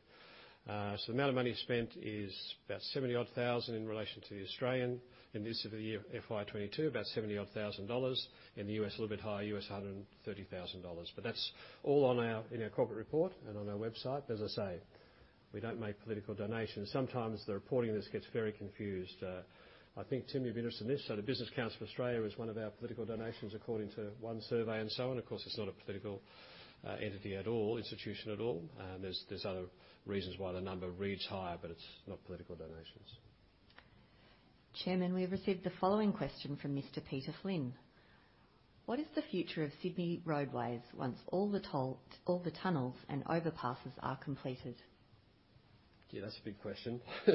A: So the amount of money spent is about 70,000 in relation to Australia, in this fiscal year, FY 2022, about 70,000 dollars. In the U.S., a little bit higher, U.S. $130,000. That's all in our corporate report and on our website. As I say, we don't make political donations. Sometimes the reporting of this gets very confused. I think, Tim, you'd be interested in this. The Business Council of Australia was one of our political donations according to one survey and so on. Of course, it's not a political entity at all, institution at all. There's other reasons why the number reads higher, but it's not political donations.
C: Chairman, we have received the following question from Mr. Peter Flynn. What is the future of Sydney Roadways once all the tunnels and overpasses are completed?
A: Yeah, that's a big question. The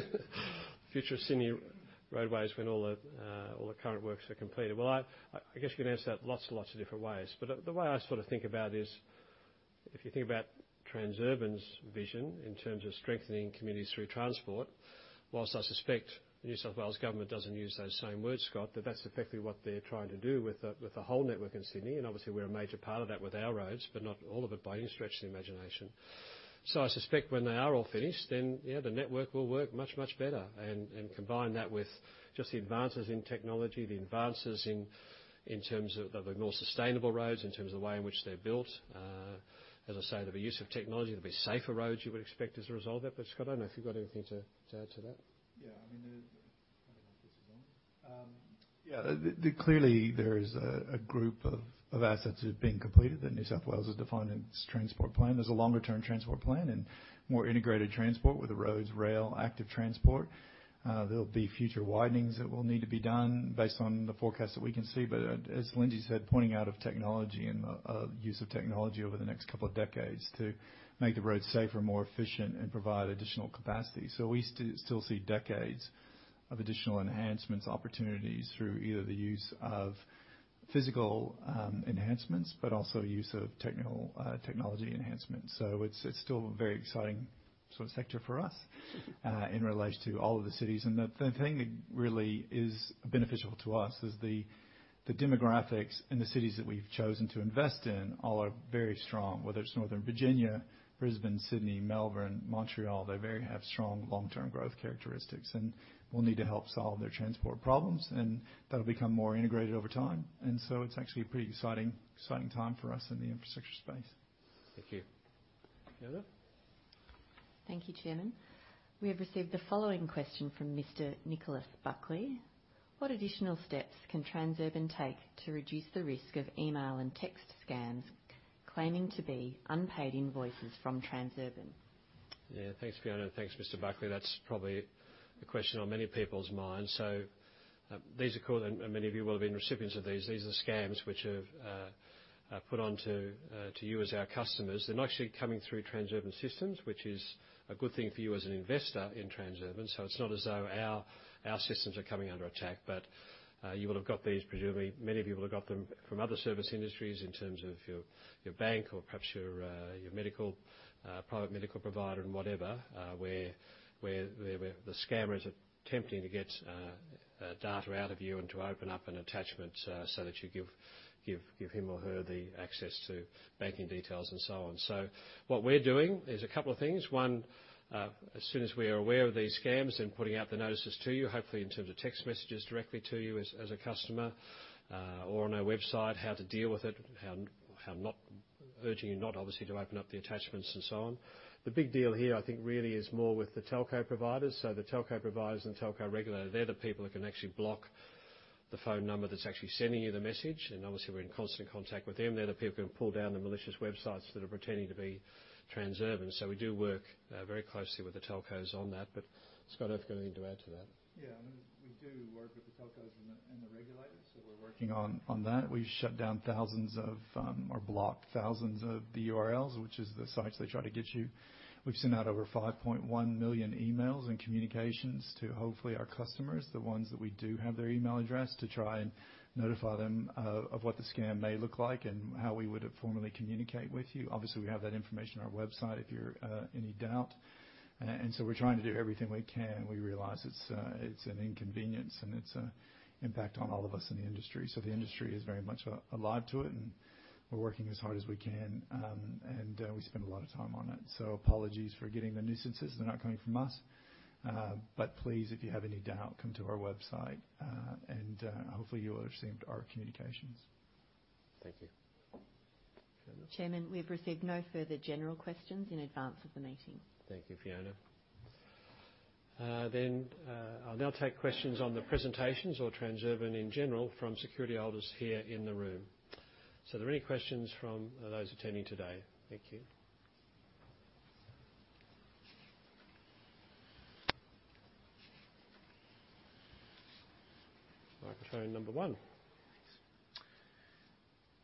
A: future of Sydney roadways when all the current works are completed. Well, I guess you can answer that lots and lots of different ways. The way I sort of think about is if you think about Transurban's vision in terms of strengthening communities through transport, while I suspect the New South Wales government doesn't use those same words, Scott, that's effectively what they're trying to do with the whole network in Sydney. Obviously, we're a major part of that with our roads, but not all of it by any stretch of the imagination. I suspect when they are all finished, then yeah, the network will work much, much better. Combine that with just the advances in technology, the advances in terms of the more sustainable roads, in terms of the way in which they're built. As I say, there'll be use of technology. There'll be safer roads you would expect as a result of that. Scott, I don't know if you've got anything to add to that.
B: Clearly, there is a group of assets that have been completed that New South Wales has defined in its transport plan. There is a longer-term transport plan and more integrated transport with the roads, rail, active transport. There'll be future widenings that will need to be done based on the forecast that we can see. As Lindsay said, pointing out the technology and the use of technology over the next couple of decades to make the roads safer, more efficient, and provide additional capacity. We still see decades of additional enhancements, opportunities through either the use of physical enhancements, but also use of technical technology enhancements. It's still a very exciting sort of sector for us in relation to all of the cities. The thing that really is beneficial to us is the demographics in the cities that we've chosen to invest in all are very strong, whether it's Northern Virginia, Brisbane, Sydney, Melbourne, Montreal. They have very strong long-term growth characteristics and will need to help solve their transport problems, and that'll become more integrated over time. It's actually a pretty exciting time for us in the infrastructure space.
A: Thank you. Fiona?
C: Thank you, Chairman. We have received the following question from Mr. Nicholas Buckley. What additional steps can Transurban take to reduce the risk of email and text scams claiming to be unpaid invoices from Transurban?
A: Yeah. Thanks, Fiona. Thanks, Mr. Buckley. That's probably a question on many people's minds. These are called, and many of you will have been recipients of these. These are scams which are put to you as our customers. They're not actually coming through Transurban systems, which is a good thing for you as an investor in Transurban. It's not as though our systems are coming under attack, but you will have got these presumably, many of you will have got them from other service industries in terms of your bank or perhaps your medical private medical provider and whatever, where the scammers are attempting to get data out of you and to open up an attachment so that you give him or her the access to banking details and so on. What we're doing is a couple of things. One, as soon as we are aware of these scams and putting out the notices to you, hopefully in terms of text messages directly to you as a customer, or on our website, how to deal with it, how not to, urging you not obviously to open up the attachments and so on. The big deal here, I think, really is more with the telco providers. The telco providers and telco regulator, they're the people who can actually block the phone number that's actually sending you the message. We're in constant contact with them. They're the people who can pull down the malicious websites that are pretending to be Transurban. We do work very closely with the telcos on that. Scott, if you got anything to add to that.
B: Yeah. We do work with the telcos and the regulators, so we're working on that. We've shut down thousands of or blocked thousands of the URLs, which is the sites they try to get you. We've sent out over 5.1 million emails and communications to hopefully our customers, the ones that we do have their email address, to try and notify them of what the scam may look like and how we would formally communicate with you. Obviously, we have that information on our website if you're in any doubt. We're trying to do everything we can. We realize it's an inconvenience and it's an impact on all of us in the industry. The industry is very much alive to it, and we're working as hard as we can. We spend a lot of time on it. Apologies for getting the nuisances. They're not coming from us. Please, if you have any doubt, come to our website. Hopefully you will have received our communications.
A: Thank you. Fiona?
C: Chairman, we've received no further general questions in advance of the meeting.
A: Thank you, Fiona. I'll now take questions on the presentations or Transurban in general from security holders here in the room. Are there any questions from those attending today? Thank you. Microphone number one.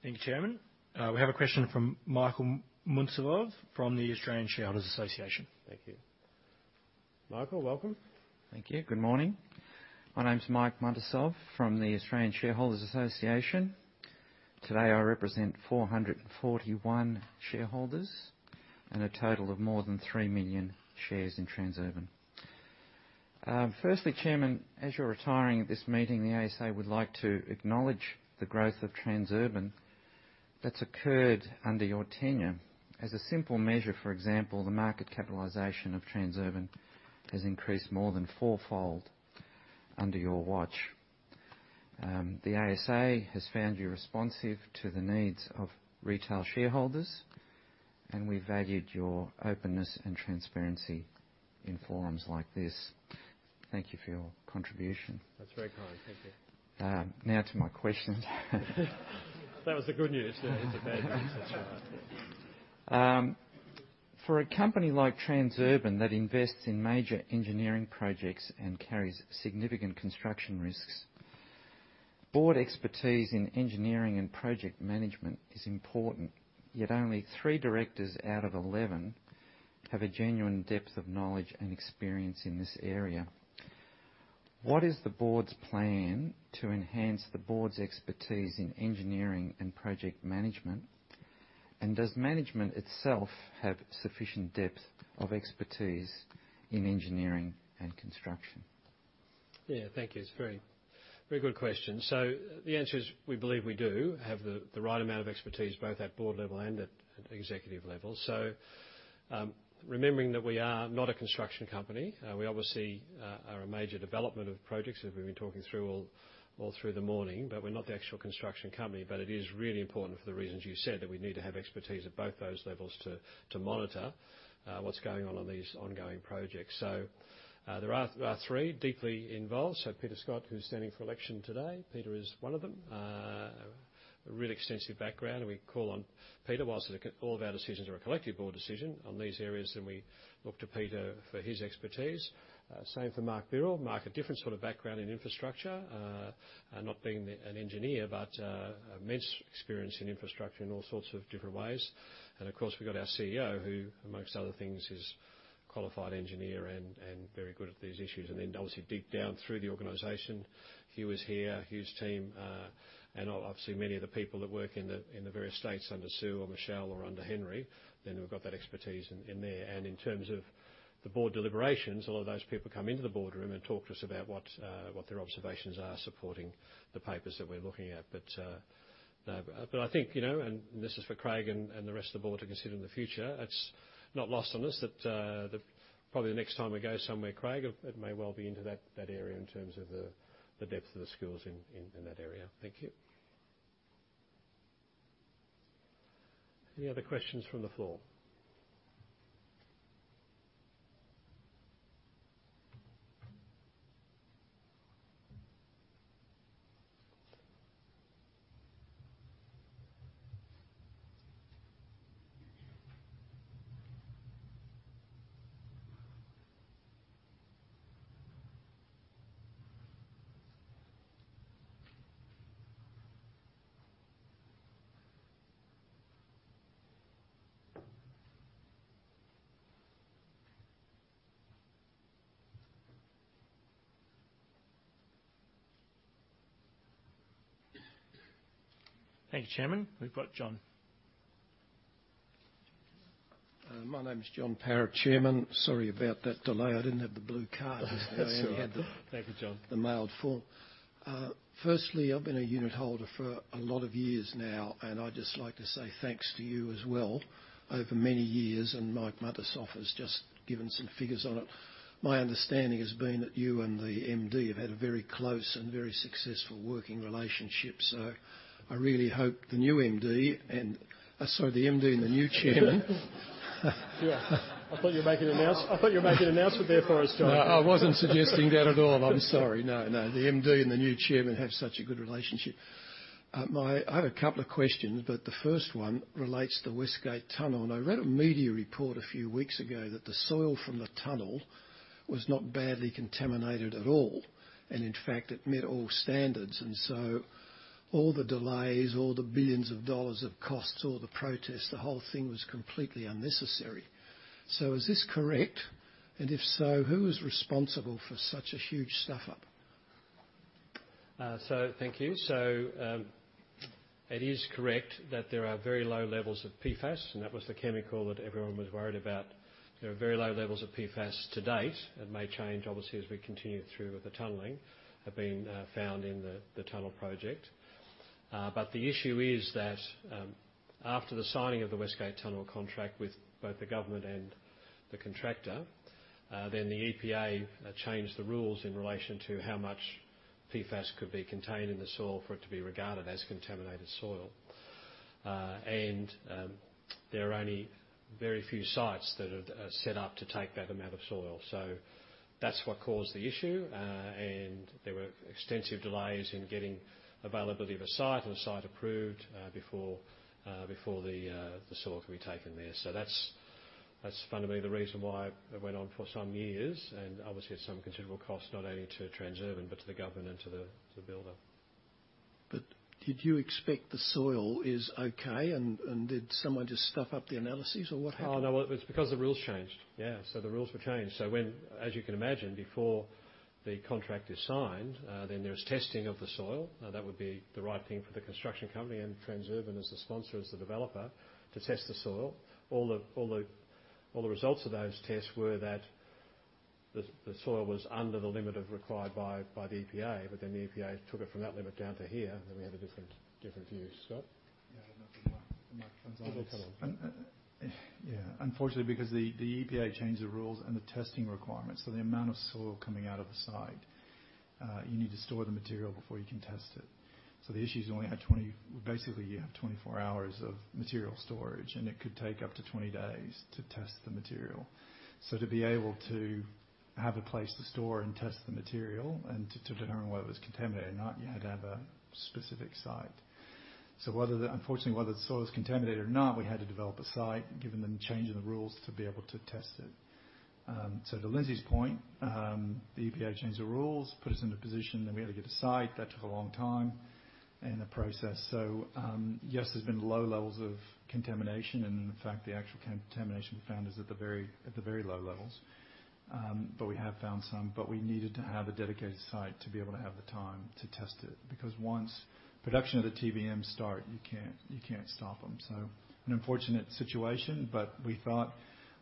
D: Thank you, Chairman. We have a question from Michael Muntisov from the Australian Shareholders' Association.
A: Thank you. Michael, welcome.
E: Thank you. Good morning. My name's Michael Muntisov from the Australian Shareholders' Association. Today, I represent 441 shareholders and a total of more than 3 million shares in Transurban. Firstly, Chairman, as you're retiring at this meeting, the ASA would like to acknowledge the growth of Transurban that's occurred under your tenure. As a simple measure, for example, the market capitalization of Transurban has increased more than four-fold under your watch. The ASA has found you responsive to the needs of retail shareholders, and we valued your openness and transparency in forums like this. Thank you for your contribution.
A: That's very kind. Thank you.
E: Now to my questions.
A: That was the good news. Now here's the bad news.
E: For a company like Transurban that invests in major engineering projects and carries significant construction risks, board expertise in engineering and project management is important. Yet only three directors out of 11 have a genuine depth of knowledge and experience in this area. What is the board's plan to enhance the board's expertise in engineering and project management? And does management itself have sufficient depth of expertise in engineering and construction?
A: Yeah. Thank you. It's a very good question. The answer is, we believe we do have the right amount of expertise both at board level and at executive level. Remembering that we are not a construction company, we obviously are a major developer of projects as we've been talking through all through the morning, but we're not the actual construction company. But it is really important for the reasons you said, that we need to have expertise at both those levels to monitor what's going on on these ongoing projects. There are three deeply involved. Peter Scott, who's standing for election today, Peter is one of them. A really extensive background, and we call on Peter while all of our decisions are a collective board decision on these areas, then we look to Peter for his expertise. Same for Mark Birrell. Mark, a different sort of background in infrastructure, not being an engineer, but immense experience in infrastructure in all sorts of different ways. Of course, we've got our CEO who, among other things, is a qualified engineer and very good at these issues. Obviously deep down through the organization, Hugh is here, Hugh's team, and obviously many of the people that work in the various states under Sue or Michelle or under Henry, then we've got that expertise in there. In terms of the board deliberations, a lot of those people come into the boardroom and talk to us about what what their observations are supporting the papers that we're looking at. But no. I think, you know, and this is for Craig and the rest of the board to consider in the future, it's not lost on us that probably the next time we go somewhere, Craig, it may well be into that area in terms of the depth of the skills in that area. Thank you. Any other questions from the floor?
D: Thank you, Chairman. We've got John.
F: My name's John, Chairman. Sorry about that delay. I didn't have the blue card.
A: That's all right.
F: I only had the-
A: Thank you, John.
F: ...the mailed form. Firstly, I've been a unitholder for a lot of years now, and I'd just like to say thanks to you as well over many years, and Michael Muntisov has just given some figures on it. My understanding has been that you and the MD has had a very close and very successful working relationship. I really hope the MD and the new chairman.
B: Yeah. I thought you were making an announcement there for a second.
A: No, I wasn't suggesting that at all. I'm sorry. No, no. The MD and the new chairman have such a good relationship. I have a couple of questions, but the first one relates to the West Gate Tunnel. I read a media report a few weeks ago that the soil from the tunnel was not badly contaminated at all, and in fact, it met all standards. All the delays, all the billions dollars of costs, all the protests, the whole thing was completely unnecessary. Is this correct? And if so, who is responsible for such a huge stuff-up? It is correct that there are very low levels of PFAS, and that was the chemical that everyone was worried about. There are very low levels of PFAS to date. It may change, obviously, as we continue through with the tunneling. The issue is that after the signing of the West Gate Tunnel contract with both the government and the contractor, then the EPA changed the rules in relation to how much PFAS could be contained in the soil for it to be regarded as contaminated soil. There are only very few sites that are set up to take that amount of soil. That's what caused the issue. There were extensive delays in getting availability of a site and the site approved before the soil could be taken there. That's fundamentally the reason why it went on for some years, and obviously, at some considerable cost, not only to Transurban, but to the government and to the builder.
F: Did you expect the soil is okay and did someone just stuff up the analysis or what happened?
A: Oh, no, it was because the rules changed. Yeah. The rules were changed. As you can imagine, before the contract is signed, then there is testing of the soil. Now, that would be the right thing for the construction company and Transurban as the sponsor, as the developer, to test the soil. All the results of those tests were that the soil was under the limit required by the EPA. The EPA took it from that limit down to here, and we had a different view. Scott?
B: Yeah. The mic comes on.
A: It'll come on.
B: Unfortunately, because the EPA changed the rules and the testing requirements, the amount of soil coming out of the site, you need to store the material before you can test it. The issue is you only have twenty. Basically, you have 24 hours of material storage, and it could take up to 20 days to test the material. To be able to have a place to store and test the material and to determine whether it was contaminated or not, you had to have a specific site. Unfortunately, whether the soil is contaminated or not, we had to develop a site, given the change in the rules, to be able to test it. To Lindsay's point, the EPA changed the rules, put us in a position that we had to get a site. That took a long time in the process. Yes, there's been low levels of contamination and in fact, the actual contamination we found is at the very low levels. But we have found some, but we needed to have a dedicated site to be able to have the time to test it, because once production of the TBM start, you can't stop them. An unfortunate situation, but we thought,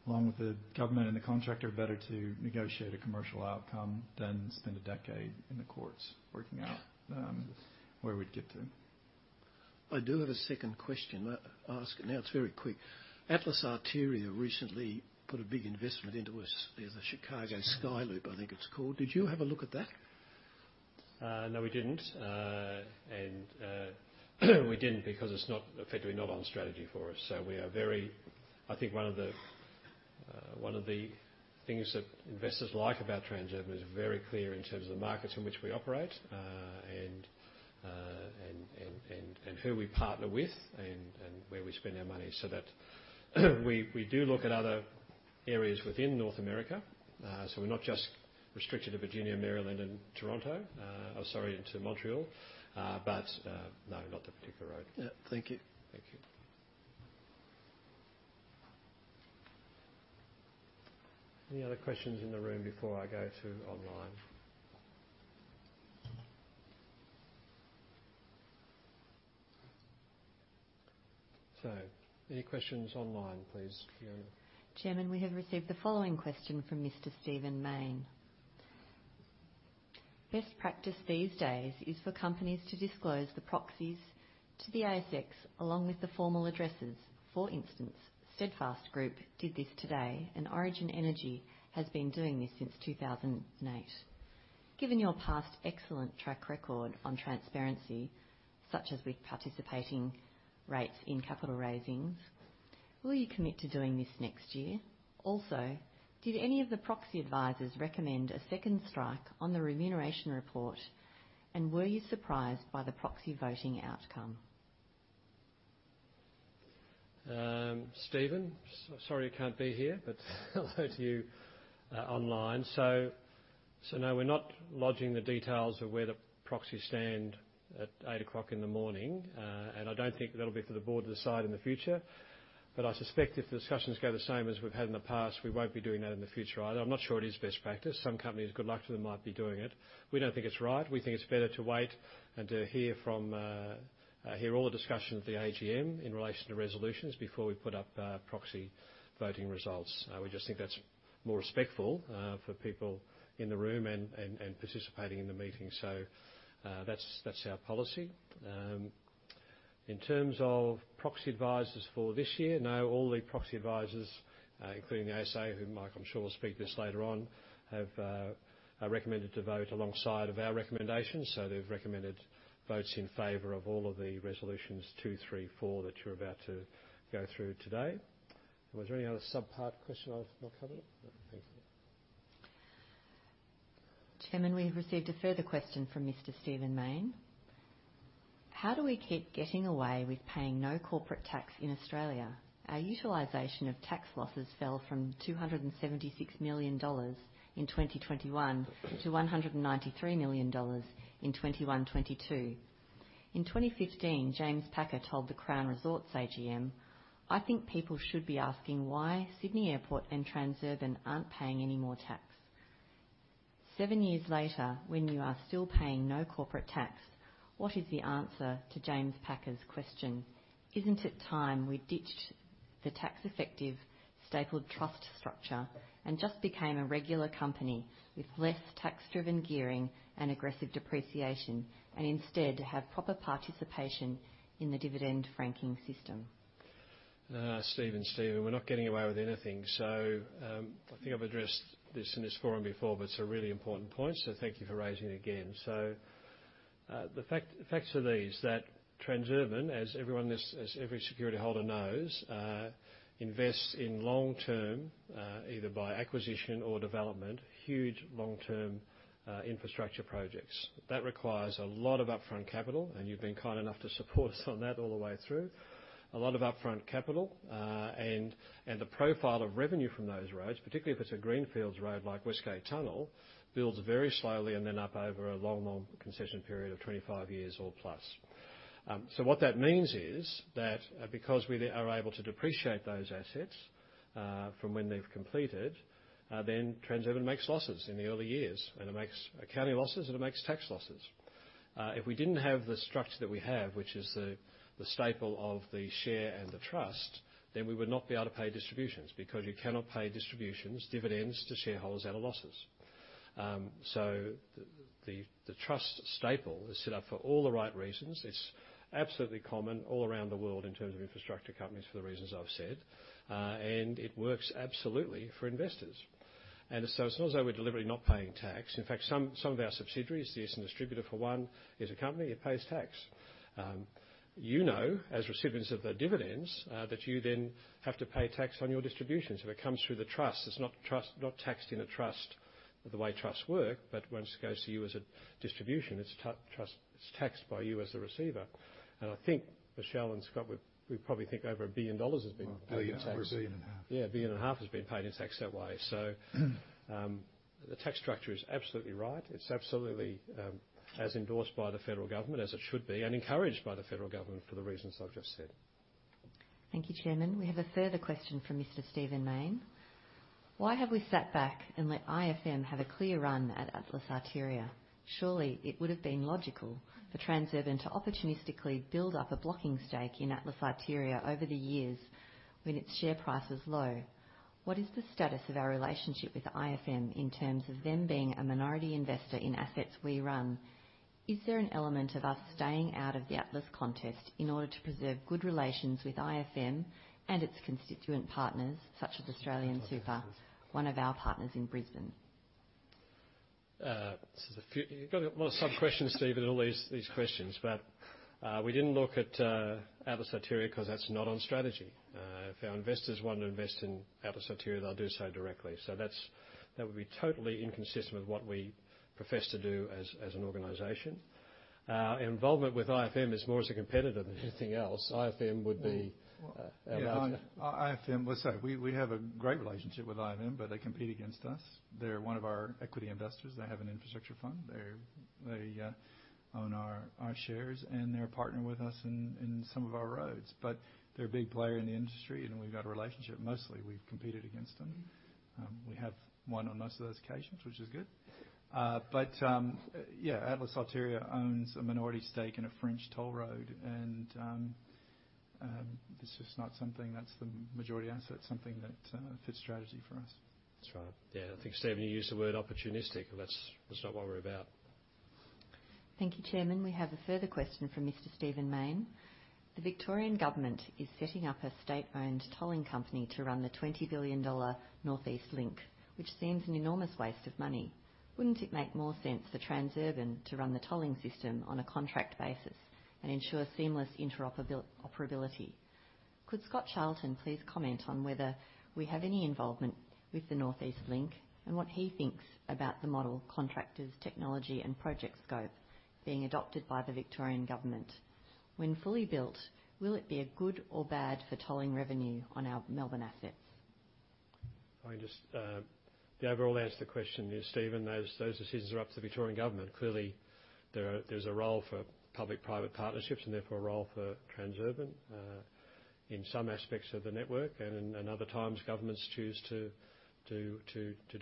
B: along with the government and the contractor, better to negotiate a commercial outcome than spend a decade in the courts working out where we'd get to.
F: I do have a second question. Now it's very quick. Atlas Arteria recently put a big investment into the Chicago Skyway, I think it's called. Did you have a look at that?
A: No, we didn't. We didn't because it's not effectively not on strategy for us. We are very. I think one of the things that investors like about Transurban is very clear in terms of the markets in which we operate, and who we partner with and where we spend our money so that we do look at other areas within North America. We're not just restricted to Virginia, Maryland, and Montreal. Or sorry, into Montreal. No, not that particular road.
F: Yeah. Thank you.
A: Thank you. Any other questions in the room before I go to online? Any questions online, please, Fiona?
C: Chairman, we have received the following question from Mr. Stephen Mayne. Best practice these days is for companies to disclose the proxies to the ASX along with the formal addresses. For instance, Steadfast Group did this today, and Origin Energy has been doing this since 2008. Given your past excellent track record on transparency, such as with participation rates in capital raisings, will you commit to doing this next year? Also, did any of the proxy advisors recommend a second strike on the remuneration report, and were you surprised by the proxy voting outcome?
A: Stephen, sorry you can't be here, but hello to you online. No, we're not lodging the details of where the proxies stand at 8:00 A.M. I don't think that'll be for the board to decide in the future. I suspect if the discussions go the same as we've had in the past, we won't be doing that in the future either. I'm not sure it is best practice. Some companies, good luck to them, might be doing it. We don't think it's right. We think it's better to wait and to hear all the discussion at the AGM in relation to resolutions before we put up proxy voting results. We just think that's more respectful for people in the room and participating in the meeting. That's our policy. In terms of proxy advisors for this year, no, all the proxy advisors, including the ASA, who Mike, I'm sure, will speak to this later on, have recommended to vote alongside of our recommendations. They've recommended votes n favor of all of the resolutions 2, 3, 4 that you're about to go through today. Was there any other subpart question I'll cover? No? Thank you.
C: Chairman, we've received a further question from Mr. Stephen Mayne. How do we keep getting away with paying no corporate tax in Australia? Our utilization of tax losses fell from 276 million dollars in 2021 to 193 million dollars in 2022. In 2015, James Packer told the Crown Resorts AGM, I think people should be asking why Sydney Airport and Transurban aren't paying any more tax." Seven years later, when you are still paying no corporate tax, what is the answer to James Packer's question? Isn't it time we ditched the tax-effective stapled trust structure and just became a regular company with less tax-driven gearing and aggressive depreciation, and instead have proper participation in the dividend franking system?
A: Stephen Mayne, we're not getting away with anything. I think I've addressed this in this forum before, but it's a really important point, so thank you for raising it again. The facts are these, that Transurban, as everyone knows, as every security holder knows, invests in long-term, either by acquisition or development, huge long-term infrastructure projects. That requires a lot of upfront capital, and you've been kind enough to support us on that all the way through. A lot of upfront capital, and the profile of revenue from those roads, particularly if it's a greenfield road like West Gate Tunnel, builds very slowly and then up over a long concession period of 25 years or plus. What that means is that, because we are able to depreciate those assets, from when they've completed, then Transurban makes losses in the early years, and it makes accounting losses, and it makes tax losses. If we didn't have the structure that we have, which is the stapled of the share and the trust, then we would not be able to pay distributions because you cannot pay distributions, dividends to shareholders out of losses. The trust stapled is set up for all the right reasons. It's absolutely common all around the world in terms of infrastructure companies for the reasons I've said. It works absolutely for investors. It's not as though we're deliberately not paying tax. In fact, some of our subsidiaries, the Eastern Distributor, for one, is a company, it pays tax. You know, as recipients of the dividends, that you then have to pay tax on your distributions. If it comes through the trust, it's not taxed in a trust the way trusts work, but once it goes to you as a distribution, it's taxed by you as the receiver. I think, Michelle and Scott, we probably think over 1 billion dollars has been paid in tax.
B: 1 billion or 1.5 billion.
A: Yeah, AUD 1.5 billion has been paid in tax that way. The tax structure is absolutely right. It's absolutely, as endorsed by the federal government as it should be and encouraged by the federal government for the reasons I've just said.
C: Thank you, Chairman. We have a further question from Mr. Stephen Mayne. Why have we sat back and let IFM have a clear run at Atlas Arteria? Surely it would have been logical for Transurban to opportunistically build up a blocking stake in Atlas Arteria over the years when its share price was low. What is the status of our relationship with IFM in terms of them being a minority investor in assets we run? Is there an element of us staying out of the Atlas contest in order to preserve good relations with IFM and its constituent partners such as AustralianSuper, one of our partners in Brisbane?
A: You've got a lot of sub-questions, Stephen, all these questions. We didn't look at Atlas Arteria 'cause that's not on strategy. If our investors want to invest in Atlas Arteria, they'll do so directly. That would be totally inconsistent with what we profess to do as an organization. Involvement with IFM is more as a competitor than anything else. IFM would be
B: Yeah, IFM, let's say, we have a great relationship with IFM, but they compete against us. They're one of our equity investors. They have an infrastructure fund. They own our shares, and they're a partner with us in some of our roads. They're a big player in the industry, and we've got a relationship. Mostly, we've competed against them. We have won on most of those occasions, which is good. Yeah, Atlas Arteria owns a minority stake in a French toll road, and it's just not something that's the majority asset. It's something that fits strategy for us.
A: That's right. Yeah. I think, Stephen, you used the word opportunistic. That's not what we're about.
C: Thank you, Chairman. We have a further question from Mr. Stephen Mayne. The Victorian Government is setting up a state-owned tolling company to run the 20 billion dollar North East Link, which seems an enormous waste of money. Wouldn't it make more sense for Transurban to run the tolling system on a contract basis and ensure seamless interoperability? Could Scott Charlton please comment on whether we have any involvement with the North East Link and what he thinks about the model contractors, technology, and project scope being adopted by the Victorian Government? When fully built, will it be a good or bad for tolling revenue on our Melbourne assets?
A: The overall answer to the question is, Stephen, those decisions are up to the Victorian Government. Clearly, there's a role for public-private partnerships and therefore a role for Transurban in some aspects of the network, and other times governments choose to do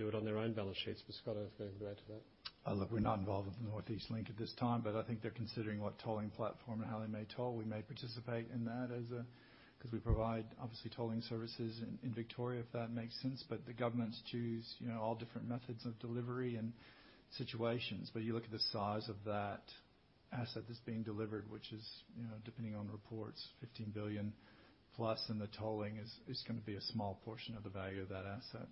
A: it on their own balance sheets. Scott will be able to add to that.
B: Look, we're not involved with the North East Link at this time, but I think they're considering what tolling platform and how they may toll. We may participate in that as a 'cause we provide obviously tolling services in Victoria, if that makes sense. The governments choose, you know, all different methods of delivery and situations. You look at the size of that asset that's being delivered, which is, you know, depending on reports, 15 billion plus, and the tolling is gonna be a small portion of the value of that asset.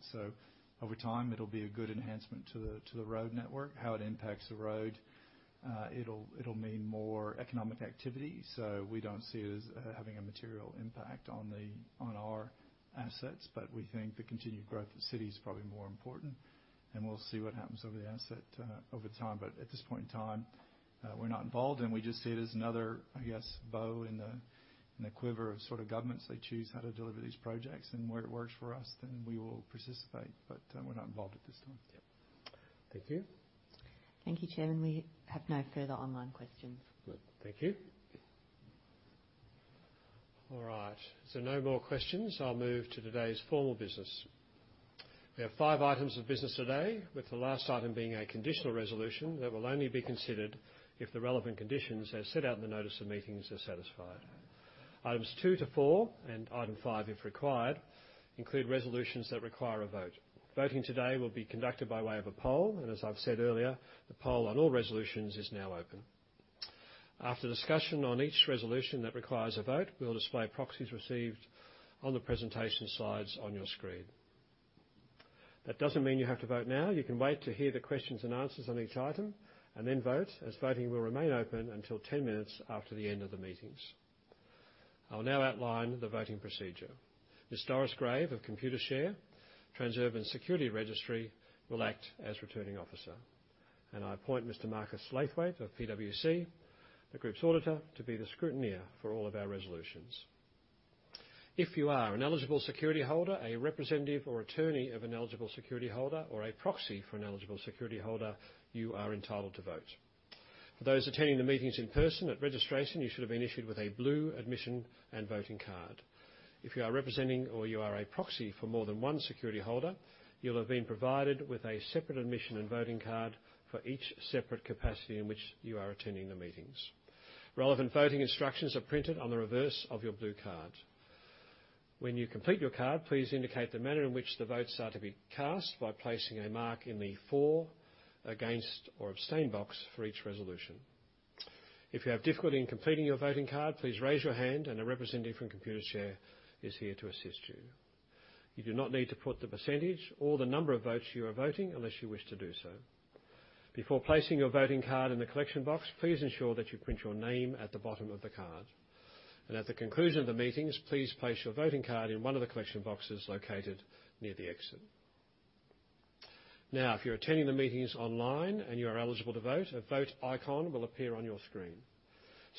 B: Over time, it'll be a good enhancement to the road network. It'll mean more economic activity, so we don't see it as having a material impact on our assets. We think the continued growth of the city is probably more important, and we'll see what happens over the asset, over time. At this point in time, we're not involved, and we just see it as another, I guess, bow in the quiver of sort of governments. They choose how to deliver these projects, and where it works for us, then we will participate. We're not involved at this time.
A: Yep. Thank you.
C: Thank you, Chairman. We have no further online questions.
A: Good. Thank you. All right, so no more questions. I'll move to today's formal business. We have five items of business today, with the last item being a conditional resolution that will only be considered if the relevant conditions as set out in the notice of meetings are satisfied. Items two to four, and item five, if required, include resolutions that require a vote. Voting today will be conducted by way of a poll, and as I've said earlier, the poll on all resolutions is now open. After discussion on each resolution that requires a vote, we'll display proxies received on the presentation slides on your screen. That doesn't mean you have to vote now. You can wait to hear the questions and answers on each item and then vote, as voting will remain open until 10 minutes after the end of the meetings. I will now outline the voting procedure. Ms. Doris Grave of Computershare, Transurban's security registry, will act as Returning Officer, and I appoint Mr. Marcus Laithwaite of PwC, the group's auditor, to be the scrutineer for all of our resolutions. If you are an eligible security holder, a representative or attorney of an eligible security holder, or a proxy for an eligible security holder, you are entitled to vote. For those attending the meetings in person, at registration you should have been issued with a blue admission and voting card. If you are representing or you are a proxy for more than one security holder, you'll have been provided with a separate admission and voting card for each separate capacity in which you are attending the meetings. Relevant voting instructions are printed on the reverse of your blue card. When you complete your card, please indicate the manner in which the votes are to be cast by placing a mark in the for, against, or abstain box for each resolution. If you have difficulty in completing your voting card, please raise your hand and a representative from Computershare is here to assist you. You do not need to put the percentage or the number of votes you are voting unless you wish to do so. Before placing your voting card in the collection box, please ensure that you print your name at the bottom of the card. At the conclusion of the meetings, please place your voting card in one of the collection boxes located near the exit. Now, if you're attending the meetings online and you are eligible to vote, a Vote icon will appear on your screen.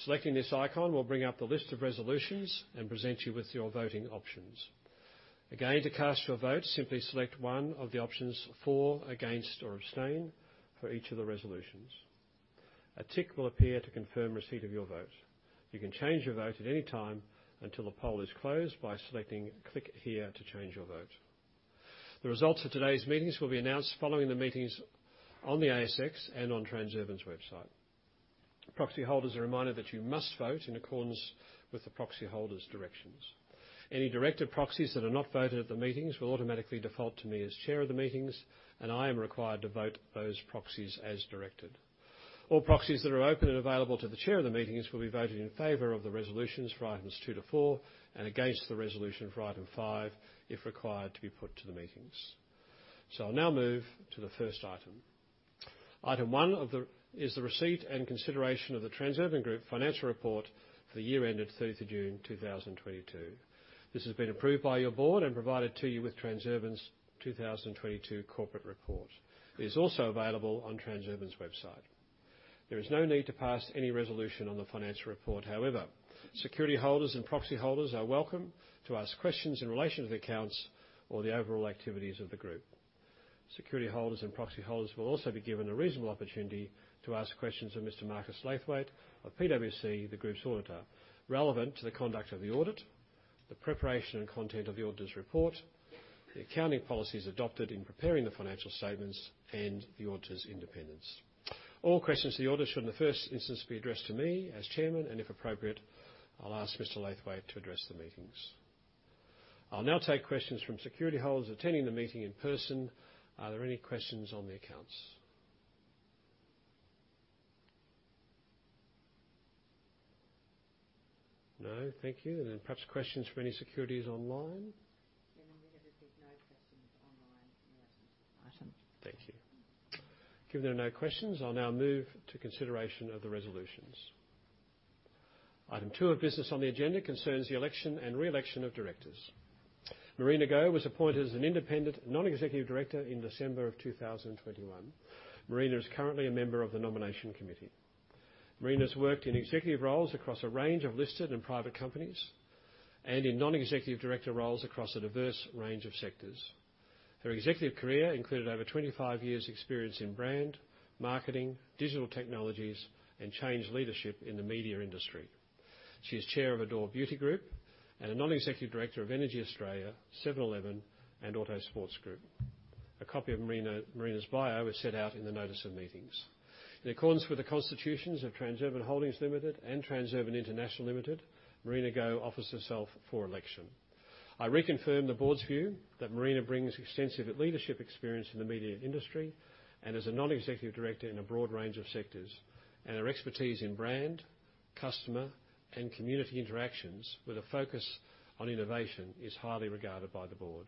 A: Selecting this icon will bring up the list of resolutions and present you with your voting options. Again, to cast your vote, simply select one of the options for, against, or abstain for each of the resolutions. A tick will appear to confirm receipt of your vote. You can change your vote at any time until the poll is closed by selecting Click here to change your vote. The results of today's meetings will be announced following the meetings on the ASX and on Transurban's website. Proxy holders, a reminder that you must vote in accordance with the proxy holder's directions. Any directed proxies that are not voted at the meetings will automatically default to me as Chair of the meetings, and I am required to vote those proxies as directed. All proxies that are open and available to the Chair of the meetings will be voted in favor of the resolutions for items 2 to 4 and against the resolution for item 5, if required to be put to the meetings. I'll now move to the first item. Item one is the receipt and consideration of the Transurban Group financial report for the year ended 30 June 2022. This has been approved by your board and provided to you with Transurban's 2022 corporate report. It is also available on Transurban's website. There is no need to pass any resolution on the financial report. However, security holders and proxy holders are welcome to ask questions in relation to the accounts or the overall activities of the group. Security holders and proxy holders will also be given a reasonable opportunity to ask questions of Mr. Marcus Laithwaite of PwC, the group's auditor, relevant to the conduct of the audit, the preparation and content of the auditor's report, the accounting policies adopted in preparing the financial statements, and the auditor's independence. All questions to the auditor should, in the first instance, be addressed to me as Chairman, and if appropriate, I'll ask Mr. Laithwaite to address the meetings. I'll now take questions from security holders attending the meeting in person. Are there any questions on the accounts? No? Thank you. Perhaps questions from any security holders online.
C: Chairman, we have received no questions online in the absence of the item.
A: Thank you. Given there are no questions, I'll now move to consideration of the resolutions. Item two of business on the agenda concerns the election and re-election of directors. Marina Go was appointed as an independent non-executive director in December 2021. Marina is currently a member of the nomination committee. Marina's worked in executive roles across a range of listed and private companies and in non-executive director roles across a diverse range of sectors. Her executive career included over 25 years' experience in brand, marketing, digital technologies, and change leadership in the media industry. She is chair of Adore Beauty Group and a non-executive director of EnergyAustralia, 7-Eleven, and Autosports Group. A copy of Marina's bio is set out in the notice of meetings. In accordance with the constitutions of Transurban Holdings Limited and Transurban International Limited, Marina Go offers herself for election. I reconfirm the board's view that Marina brings extensive leadership experience in the media industry and as a non-executive director in a broad range of sectors, and her expertise in brand, customer, and community interactions with a focus on innovation is highly regarded by the board.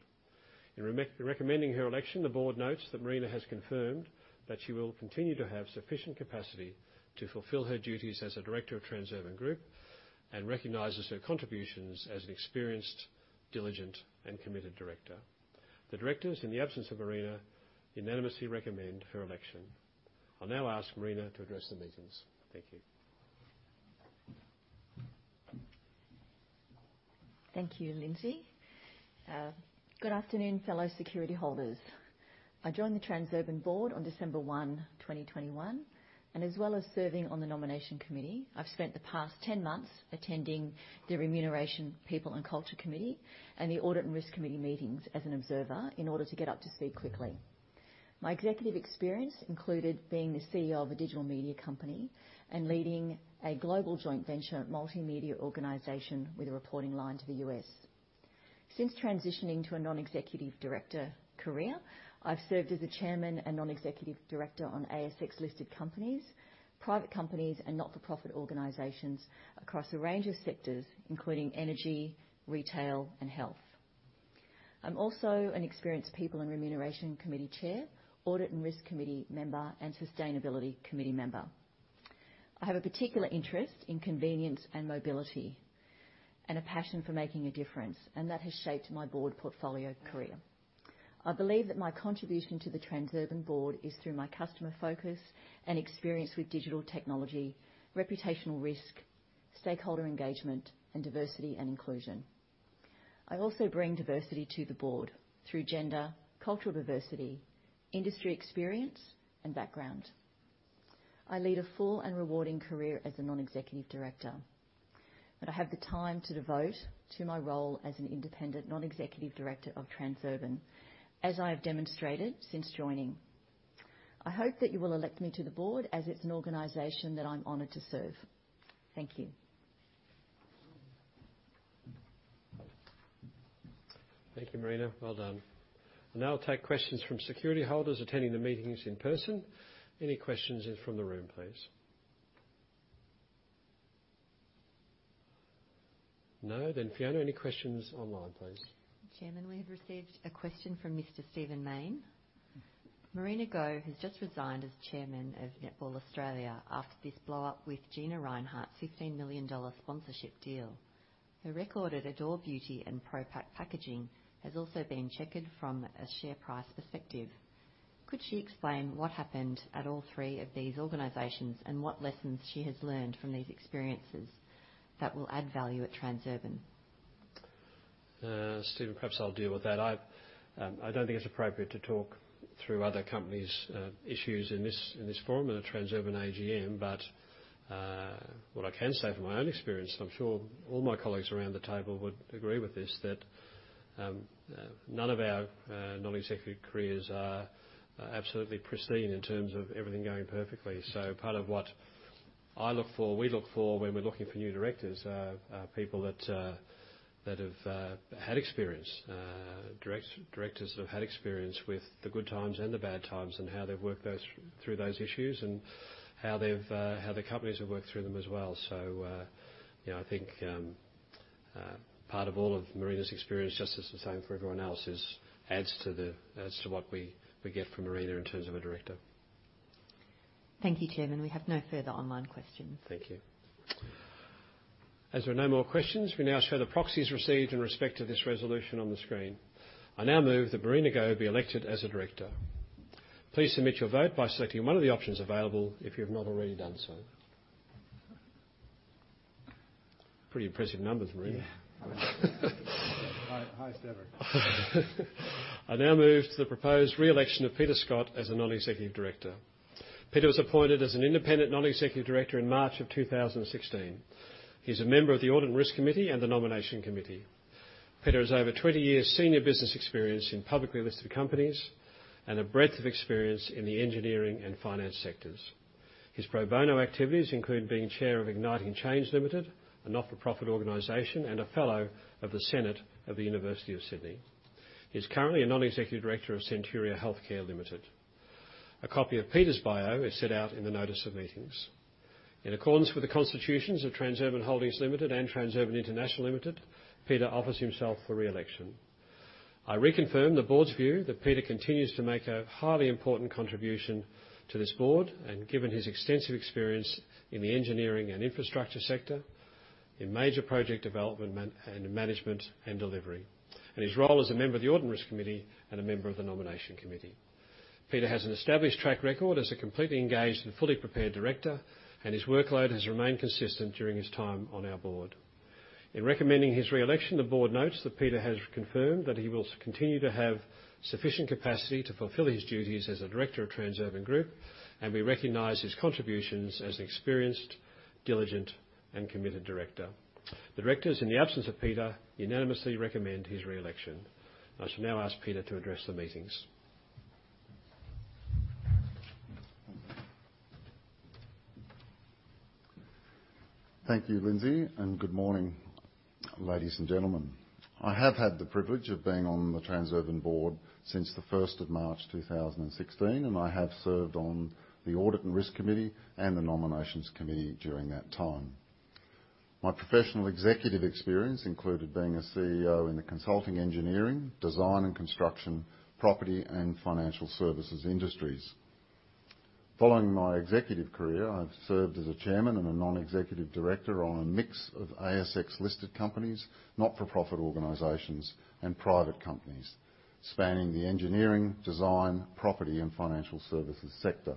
A: In recommending her election, the board notes that Marina has confirmed that she will continue to have sufficient capacity to fulfill her duties as a director of Transurban Group and recognizes her contributions as an experienced, diligent, and committed director. The directors, in the absence of Marina, unanimously recommend her election. I'll now ask Marina to address the meetings. Thank you.
G: Thank you, Lindsay. Good afternoon, fellow security holders. I joined the Transurban board on December 1, 2021, and as well as serving on the nomination committee, I've spent the past 10 months attending the Remuneration, People, and Culture Committee and the Audit and Risk Committee meetings as an observer in order to get up to speed quickly. My executive experience included being the CEO of a digital media company and leading a global joint venture multimedia organization with a reporting line to the U.S. Since transitioning to a non-executive director career, I've served as a chairman and non-executive director on ASX-listed companies, private companies, and not-for-profit organizations across a range of sectors, including energy, retail, and health. I'm also an experienced People and Remuneration Committee chair, Audit and Risk Committee member, and Sustainability Committee member. I have a particular interest in convenience and mobility and a passion for making a difference, and that has shaped my board portfolio career. I believe that my contribution to the Transurban board is through my customer focus and experience with digital technology, reputational risk, stakeholder engagement, and diversity and inclusion. I also bring diversity to the board through gender, cultural diversity, industry experience, and background. I lead a full and rewarding career as a non-executive director, and I have the time to devote to my role as an independent non-executive director of Transurban, as I have demonstrated since joining. I hope that you will elect me to the board as it's an organization that I'm honored to serve. Thank you.
A: Thank you, Marina. Well done. I'll now take questions from security holders attending the meetings in person. Any questions in from the room, please? No? Fiona, any questions online, please?
C: Chairman, we have received a question from Mr. Stephen Mayne. Marina Go has just resigned as chairman of Netball Australia after this blow-up with Gina Rinehart's 15 million dollar sponsorship deal. Her record at Adore Beauty and Pro-Pac Packaging has also been checkered from a share price perspective. Could she explain what happened at all three of these organizations and what lessons she has learned from these experiences that will add value at Transurban?
A: Stephen, perhaps I'll deal with that. I don't think it's appropriate to talk through other companies' issues in this forum at a Transurban AGM. What I can say from my own experience, I'm sure all my colleagues around the table would agree with this, that none of our non-executive careers are absolutely pristine in terms of everything going perfectly. Part of what I look for, we look for when we're looking for new directors are people that have had experience. Directors that have had experience with the good times and the bad times, and how they've worked through those issues, and how the companies have worked through them as well. you know, I think part of all of Marina's experience, just as the same for everyone else, is adds to what we get from Marina in terms of a director.
C: Thank you, Chairman. We have no further online questions.
A: Thank you. As there are no more questions, we now show the proxies received in respect to this resolution on the screen. I now move that Marina Go be elected as a director. Please submit your vote by selecting one of the options available if you have not already done so. Pretty impressive numbers, Marina.
G: Yeah.
H: High, highest ever.
A: I now move to the proposed re-election of Peter Scott as a non-executive director. Peter was appointed as an independent non-executive director in March of 2016. He's a member of the Audit and Risk Committee and the Nomination Committee. Peter has over 20 years senior business experience in publicly listed companies and a breadth of experience in the engineering and finance sectors. His pro bono activities include being chair of Igniting Change Limited, a not-for-profit organization, and a fellow of the Senate of the University of Sydney. He's currently a non-executive director of Centuria Healthcare Limited. A copy of Peter's bio is set out in the notice of meetings. In accordance with the constitutions of Transurban Holdings Limited and Transurban International Limited, Peter offers himself for re-election. I reconfirm the board's view that Peter continues to make a highly important contribution to this board, and given his extensive experience in the engineering and infrastructure sector, in major project development and management and delivery, and his role as a member of the Audit and Risk Committee and a member of the Nomination Committee. Peter has an established track record as a completely engaged and fully prepared director, and his workload has remained consistent during his time on our board. In recommending his re-election, the board notes that Peter has confirmed that he will continue to have sufficient capacity to fulfill his duties as a director of Transurban Group, and we recognize his contributions as an experienced, diligent, and committed director. The directors, in the absence of Peter, unanimously recommend his re-election. I shall now ask Peter to address the meetings.
H: Thank you, Lindsay, and good morning, ladies and gentlemen. I have had the privilege of being on the Transurban board since the first of March, 2016, and I have served on the Audit and Risk Committee and the Nominations Committee during that time. My professional executive experience included being a CEO in the consulting engineering, design and construction, property, and financial services industries. Following my executive career, I've served as a chairman and a non-executive director on a mix of ASX-listed companies, not-for-profit organizations, and private companies, spanning the engineering, design, property and financial services sector.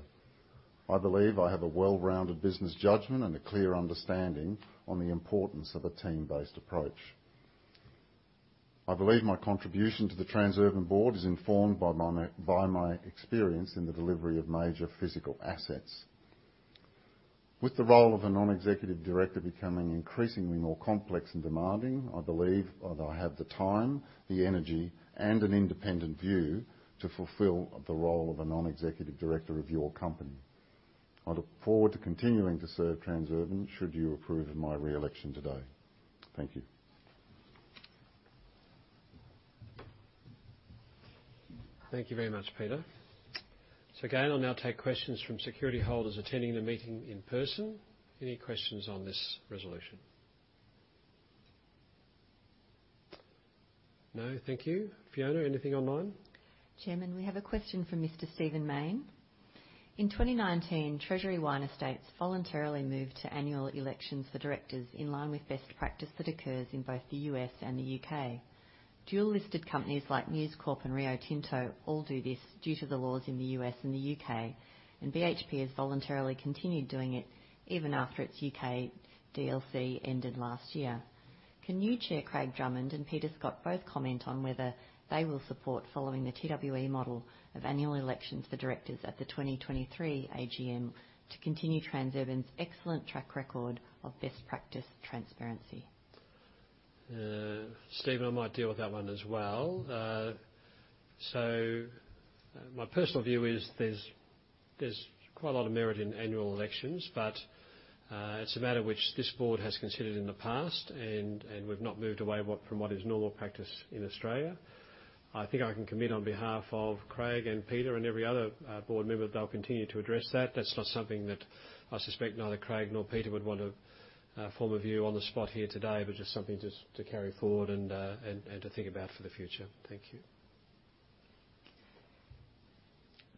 H: I believe I have a well-rounded business judgment and a clear understanding on the importance of a team-based approach. I believe my contribution to the Transurban board is informed by my experience in the delivery of major physical assets. With the role of a non-executive director becoming increasingly more complex and demanding, I believe that I have the time, the energy, and an independent view to fulfill the role of a non-executive director of your company. I look forward to continuing to serve Transurban, should you approve of my re-election today. Thank you.
A: Thank you very much, Peter. Again, I'll now take questions from security holders attending the meeting in person. Any questions on this resolution? No. Thank you. Fiona, anything online?
C: Chairman, we have a question from Mr. Stephen Mayne. In 2019, Treasury Wine Estates voluntarily moved to annual elections for directors in line with best practice that occurs in both the U.S. and the U.K. Dual-listed companies like News Corp and Rio Tinto all do this due to the laws in the U.S. and the U.K., and BHP has voluntarily continued doing it even after its U.K. DLC ended last year. Can you, Chair Craig Drummond, and Peter Scott both comment on whether they will support following the TWE model of annual elections for directors at the 2023 AGM to continue Transurban's excellent track record of best practice transparency?
A: Stephen, I might deal with that one as well. My personal view is there's quite a lot of merit in annual elections, but it's a matter which this board has considered in the past, and we've not moved away from what is normal practice in Australia. I think I can commit on behalf of Craig and Peter and every other board member, they'll continue to address that. That's not something that I suspect neither Craig nor Peter would want to form a view on the spot here today, but just something to carry forward and to think about for the future. Thank you.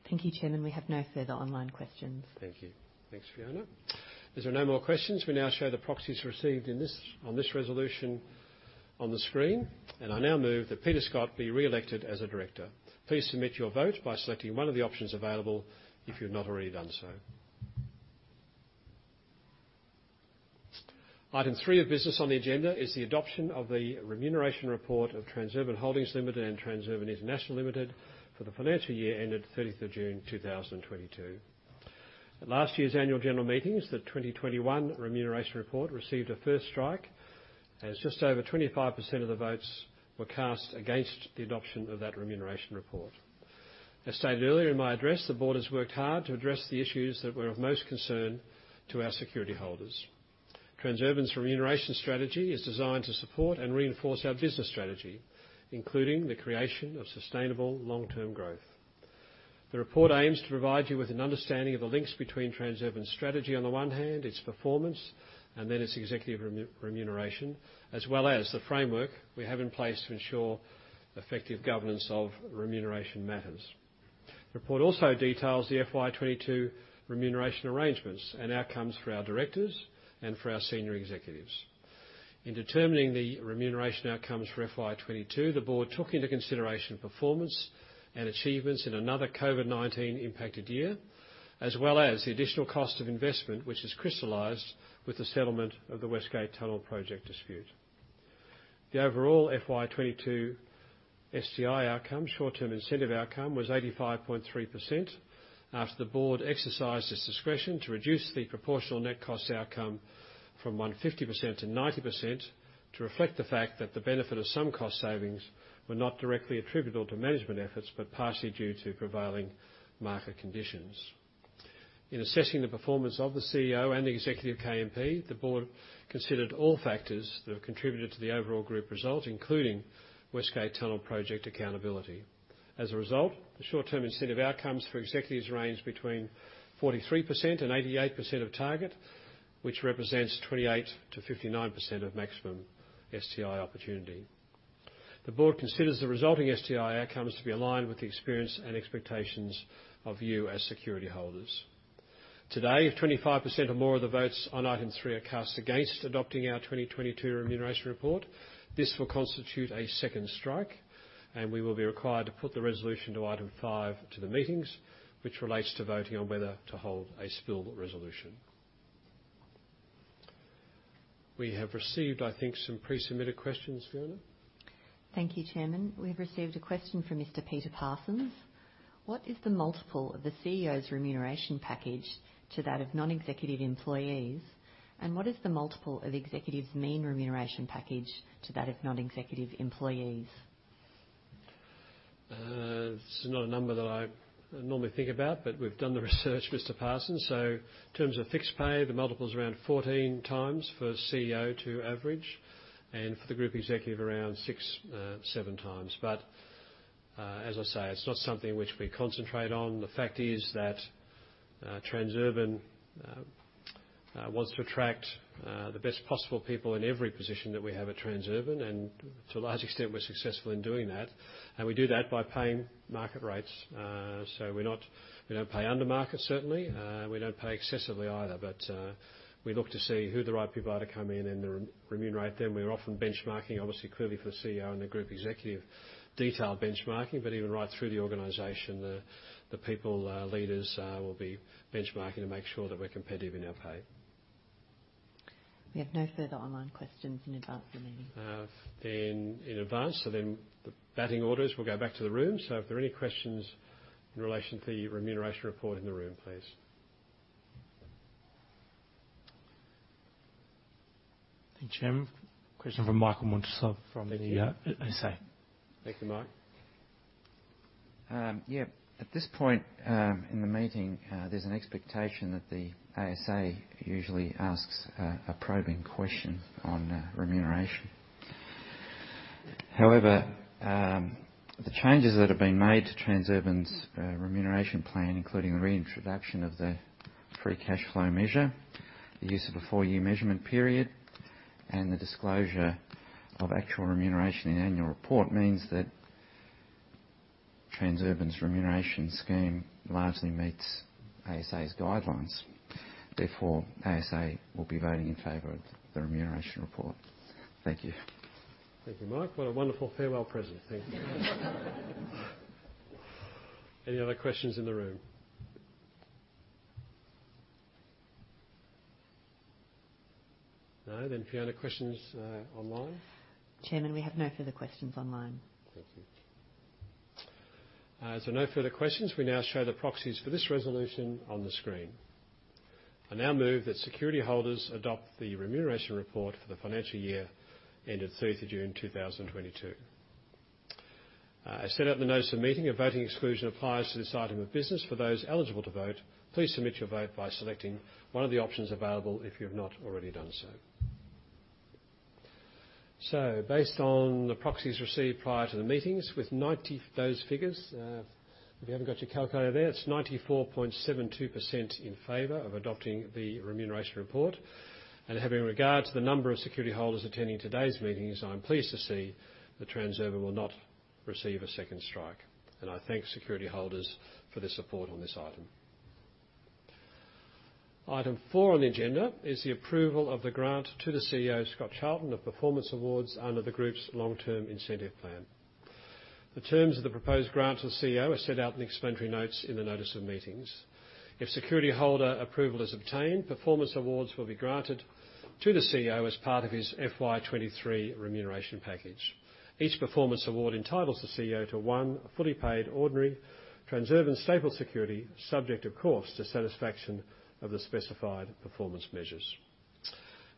C: Thank you, Chairman. We have no further online questions.
A: Thank you. Thanks, Fiona. As there are no more questions, we now show the proxies received on this resolution on the screen, and I now move that Peter Scott be re-elected as a director. Please submit your vote by selecting one of the options available if you've not already done so. Item 3 of business on the agenda is the adoption of the remuneration report of Transurban Holdings Limited and Transurban International Limited for the financial year ended 30 June 2022. At last year's annual general meetings, the 2021 remuneration report received a first strike, as just over 25% of the votes were cast against the adoption of that remuneration report. As stated earlier in my address, the board has worked hard to address the issues that were of most concern to our security holders. Transurban's remuneration strategy is designed to support and reinforce our business strategy, including the creation of sustainable long-term growth. The report aims to provide you with an understanding of the links between Transurban's strategy on the one hand, its performance, and then its executive remuneration, as well as the framework we have in place to ensure effective governance of remuneration matters. The report also details the FY22 remuneration arrangements and outcomes for our directors and for our senior executives. In determining the remuneration outcomes for FY22, the board took into consideration performance and achievements in another COVID-19 impacted year, as well as the additional cost of investment which has crystallized with the settlement of the West Gate Tunnel project dispute. The overall FY 2022 STI outcome, short-term incentive outcome, was 85.3% after the board exercised its discretion to reduce the proportional net cost outcome from 150% to 90% to reflect the fact that the benefit of some cost savings were not directly attributable to management efforts, but partially due to prevailing market conditions. In assessing the performance of the CEO and the executive KMP, the board considered all factors that have contributed to the overall group result, including West Gate Tunnel project accountability. As a result, the short-term incentive outcomes for executives range between 43% and 88% of target, which represents 28%-59% of maximum STI opportunity. The board considers the resulting STI outcomes to be aligned with the experience and expectations of you as security holders. Today, if 25% or more of the votes on item 3 are cast against adopting our 2022 remuneration report, this will constitute a second strike, and we will be required to put the resolution to item 5 to the meetings, which relates to voting on whether to hold a spill resolution. We have received, I think, some pre-submitted questions, Fiona.
C: Thank you, Chairman. We've received a question from Mr. Peter Parsons. What is the multiple of the CEO's remuneration package to that of non-executive employees, and what is the multiple of executives' mean remuneration package to that of non-executive employees?
A: This is not a number that I normally think about, but we've done the research, Mr. Parsons. In terms of fixed pay, the multiple's around 14x for CEO to average, and for the group executive, around 6x-7x. As I say, it's not something which we concentrate on. The fact is that, Transurban wants to attract the best possible people in every position that we have at Transurban, and to a large extent, we're successful in doing that. We do that by paying market rates. We're not. We don't pay under market, certainly. We don't pay excessively either. We look to see who the right people are to come in and remunerate them. We're often benchmarking, obviously, clearly for the CEO and the group executive detailed benchmarking. Even right through the organization, the people leaders will be benchmarking to make sure that we're competitive in our pay.
C: We have no further online questions in advance of the meeting.
A: Thanks in advance. The voting orders will go back to the room. If there are any questions in relation to the Remuneration Report in the room, please.
D: Thank you, Chairman. Question from Michael Muntisov from the ASA.
A: Thank you, Mark.
E: At this point, in the meeting, there's an expectation that the ASA usually asks a probing question on remuneration. However, the changes that have been made to Transurban's remuneration plan, including the reintroduction of the free cash flow measure, the use of a four-year measurement period, and the disclosure of actual remuneration in the annual report, means that Transurban's remuneration scheme largely meets ASA's guidelines. Therefore, ASA will be voting in favor of the remuneration report. Thank you.
A: Thank you, Michael Muntisov. What a wonderful farewell present. Thank you. Any other questions in the room? No. Fiona Last, questions online.
C: Chairman, we have no further questions online.
A: Thank you. No further questions. We now show the proxies for this resolution on the screen. I now move that security holders adopt the remuneration report for the financial year ending 3 June 2022. I set out the notice of the meeting. A voting exclusion applies to this item of business. For those eligible to vote, please submit your vote by selecting one of the options available if you have not already done so. Based on the proxies received prior to the meetings, with those figures, if you haven't got your calculator there, it's 94.72% in favor of adopting the remuneration report. Having regard to the number of security holders attending today's meetings, I'm pleased to see that Transurban will not receive a second strike. I thank security holders for their support on this item. Item four on the agenda is the approval of the grant to the CEO, Scott Charlton, of performance awards under the group's long-term incentive plan. The terms of the proposed grant to the CEO are set out in the explanatory notes in the notice of meetings. If security holder approval is obtained, performance awards will be granted to the CEO as part of his FY 23 remuneration package. Each performance award entitles the CEO to one fully paid ordinary Transurban stapled security, subject, of course, to satisfaction of the specified performance measures.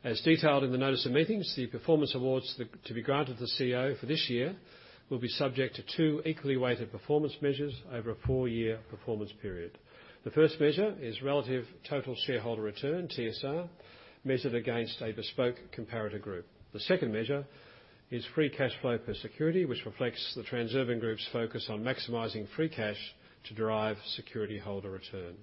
A: As detailed in the notice of meetings, the performance awards to be granted to the CEO for this year will be subject to two equally weighted performance measures over a 4-year performance period. The first measure is relative total shareholder return, TSR, measured against a bespoke comparator group. The second measure is free cash flow per security, which reflects the Transurban Group's focus on maximizing free cash to derive security holder return.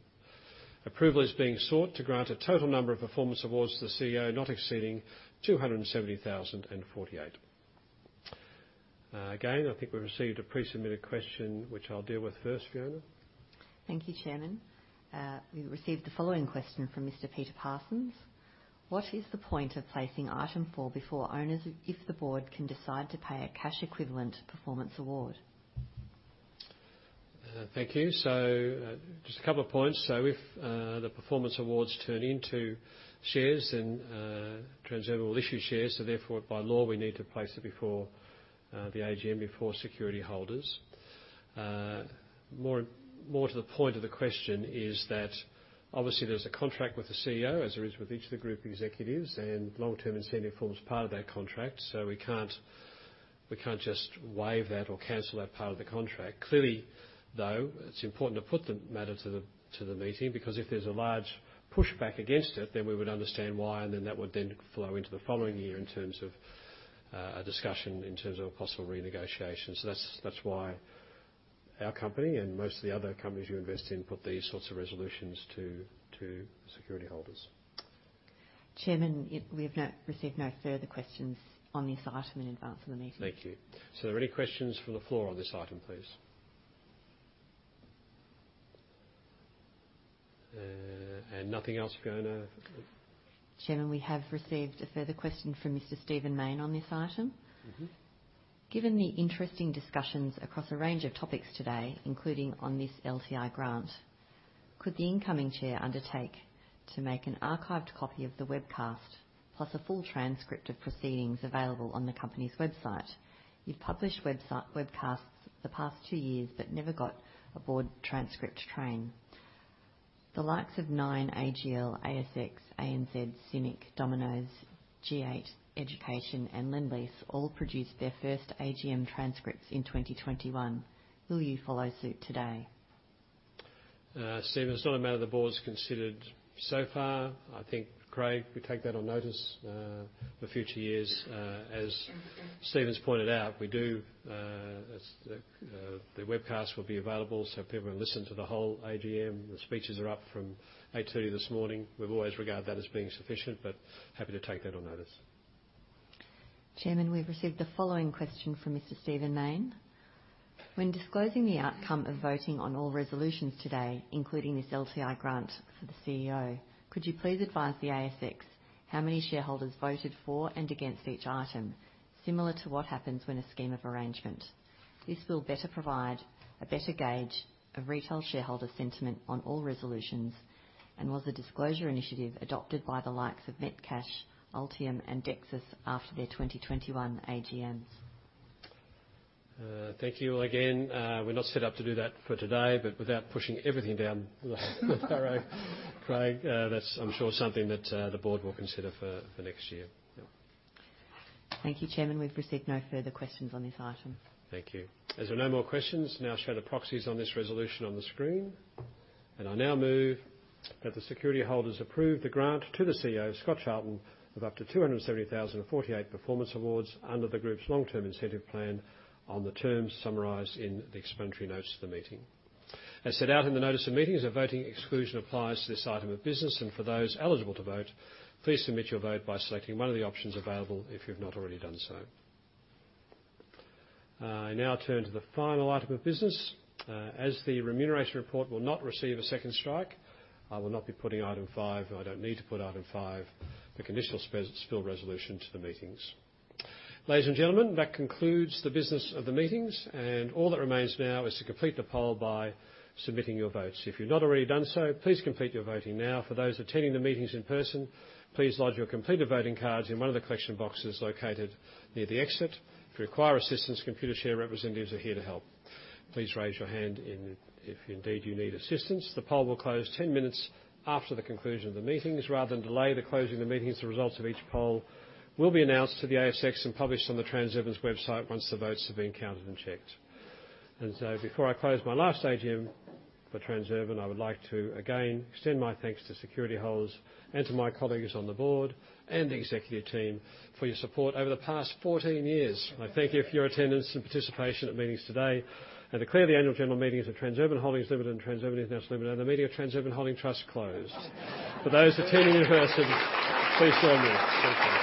A: Approval is being sought to grant a total number of performance awards to the CEO not exceeding 270,048. Again, I think we received a pre-submitted question, which I'll deal with first, Fiona.
C: Thank you, Chairman. We received the following question from Mr. Peter Parsons: What is the point of placing item four before owners if the board can decide to pay a cash equivalent performance award?
A: Thank you. Just a couple of points. If the performance awards turn into shares, then Transurban will issue shares. Therefore, by law, we need to place it before the AGM, before security holders. More to the point of the question is that obviously there's a contract with the CEO, as there is with each of the group executives, and long-term incentive forms part of that contract, so we can't just waive that or cancel that part of the contract. Clearly, though, it's important to put the matter to the meeting because if there's a large pushback against it, then we would understand why, and then that would flow into the following year in terms of a discussion in terms of a possible renegotiation. That's why our company and most of the other companies you invest in put these sorts of resolutions to security holders.
C: Chairman, we've not received no further questions on this item in advance of the meeting.
A: Thank you. Are there any questions from the floor on this item, please? Nothing else, Fiona?
C: Chairman, we have received a further question from Mr. Stephen Mayne on this item.
A: Mm-hmm.
C: Given the interesting discussions across a range of topics today, including on this LTI grant, could the incoming chair undertake to make an archived copy of the webcast plus a full transcript of proceedings available on the company's website? You've published webcasts the past two years, but never got a board transcript to train. The likes of Nine, AGL, ASX, ANZ, CIMIC, Domino's, G8 Education, and Lendlease all produced their first AGM transcripts in 2021. Will you follow suit today?
A: Stephen, it's not a matter the board's considered so far. I think, Craig, we take that on notice, for future years. As Stephen's pointed out, we do, as the webcast will be available, so if people listen to the whole AGM, the speeches are up from 8:30 A.M. this morning. We've always regarded that as being sufficient, but happy to take that on notice.
C: Chairman, we've received the following question from Mr. Stephen Mayne. When disclosing the outcome of voting on all resolutions today, including this LTI grant for the CEO, could you please advise the ASX how many shareholders voted for and against each item, similar to what happens when a scheme of arrangement? This will better provide a better gauge of retail shareholder sentiment on all resolutions and was a disclosure initiative adopted by the likes of Metcash, Altium, and Dexus after their 2021 AGMs.
A: Thank you again. We're not set up to do that for today, but without pushing everything down the furrow, Craig, that's, I'm sure, something that the board will consider for next year. Yeah.
C: Thank you, Chairman. We've received no further questions on this item.
A: Thank you. As there are no more questions, now show the proxies on this resolution on the screen. I now move that the security holders approve the grant to the CEO, Scott Charlton, of up to 270,048 performance awards under the group's long-term incentive plan on the terms summarized in the explanatory notes of the meeting. As set out in the notice of meetings, a voting exclusion applies to this item of business, and for those eligible to vote, please submit your vote by selecting one of the options available if you've not already done so. I now turn to the final item of business. As the remuneration report will not receive a second strike, I will not be putting item five, and I don't need to put item five, the conditional spill resolution to the meetings. Ladies and gentlemen, that concludes the business of the meetings, and all that remains now is to complete the poll by submitting your votes. If you've not already done so, please complete your voting now. For those attending the meetings in person, please lodge your completed voting cards in one of the collection boxes located near the exit. If you require assistance, ComputerShare representatives are here to help. Please raise your hand if indeed you need assistance. The poll will close 10 minutes after the conclusion of the meetings. Rather than delay the closing of the meetings, the results of each poll will be announced to the ASX and published on the Transurban's website once the votes have been counted and checked. Before I close my last AGM for Transurban, I would like to again extend my thanks to security holders and to my colleagues on the board and the executive team for your support over the past 14 years. I thank you for your attendance and participation at meetings today and declare the annual general meetings of Transurban Holdings Limited and Transurban Infrastructure Limited and the meeting of Transurban Holding Trust closed. For those attending in person, please join me. Thank you.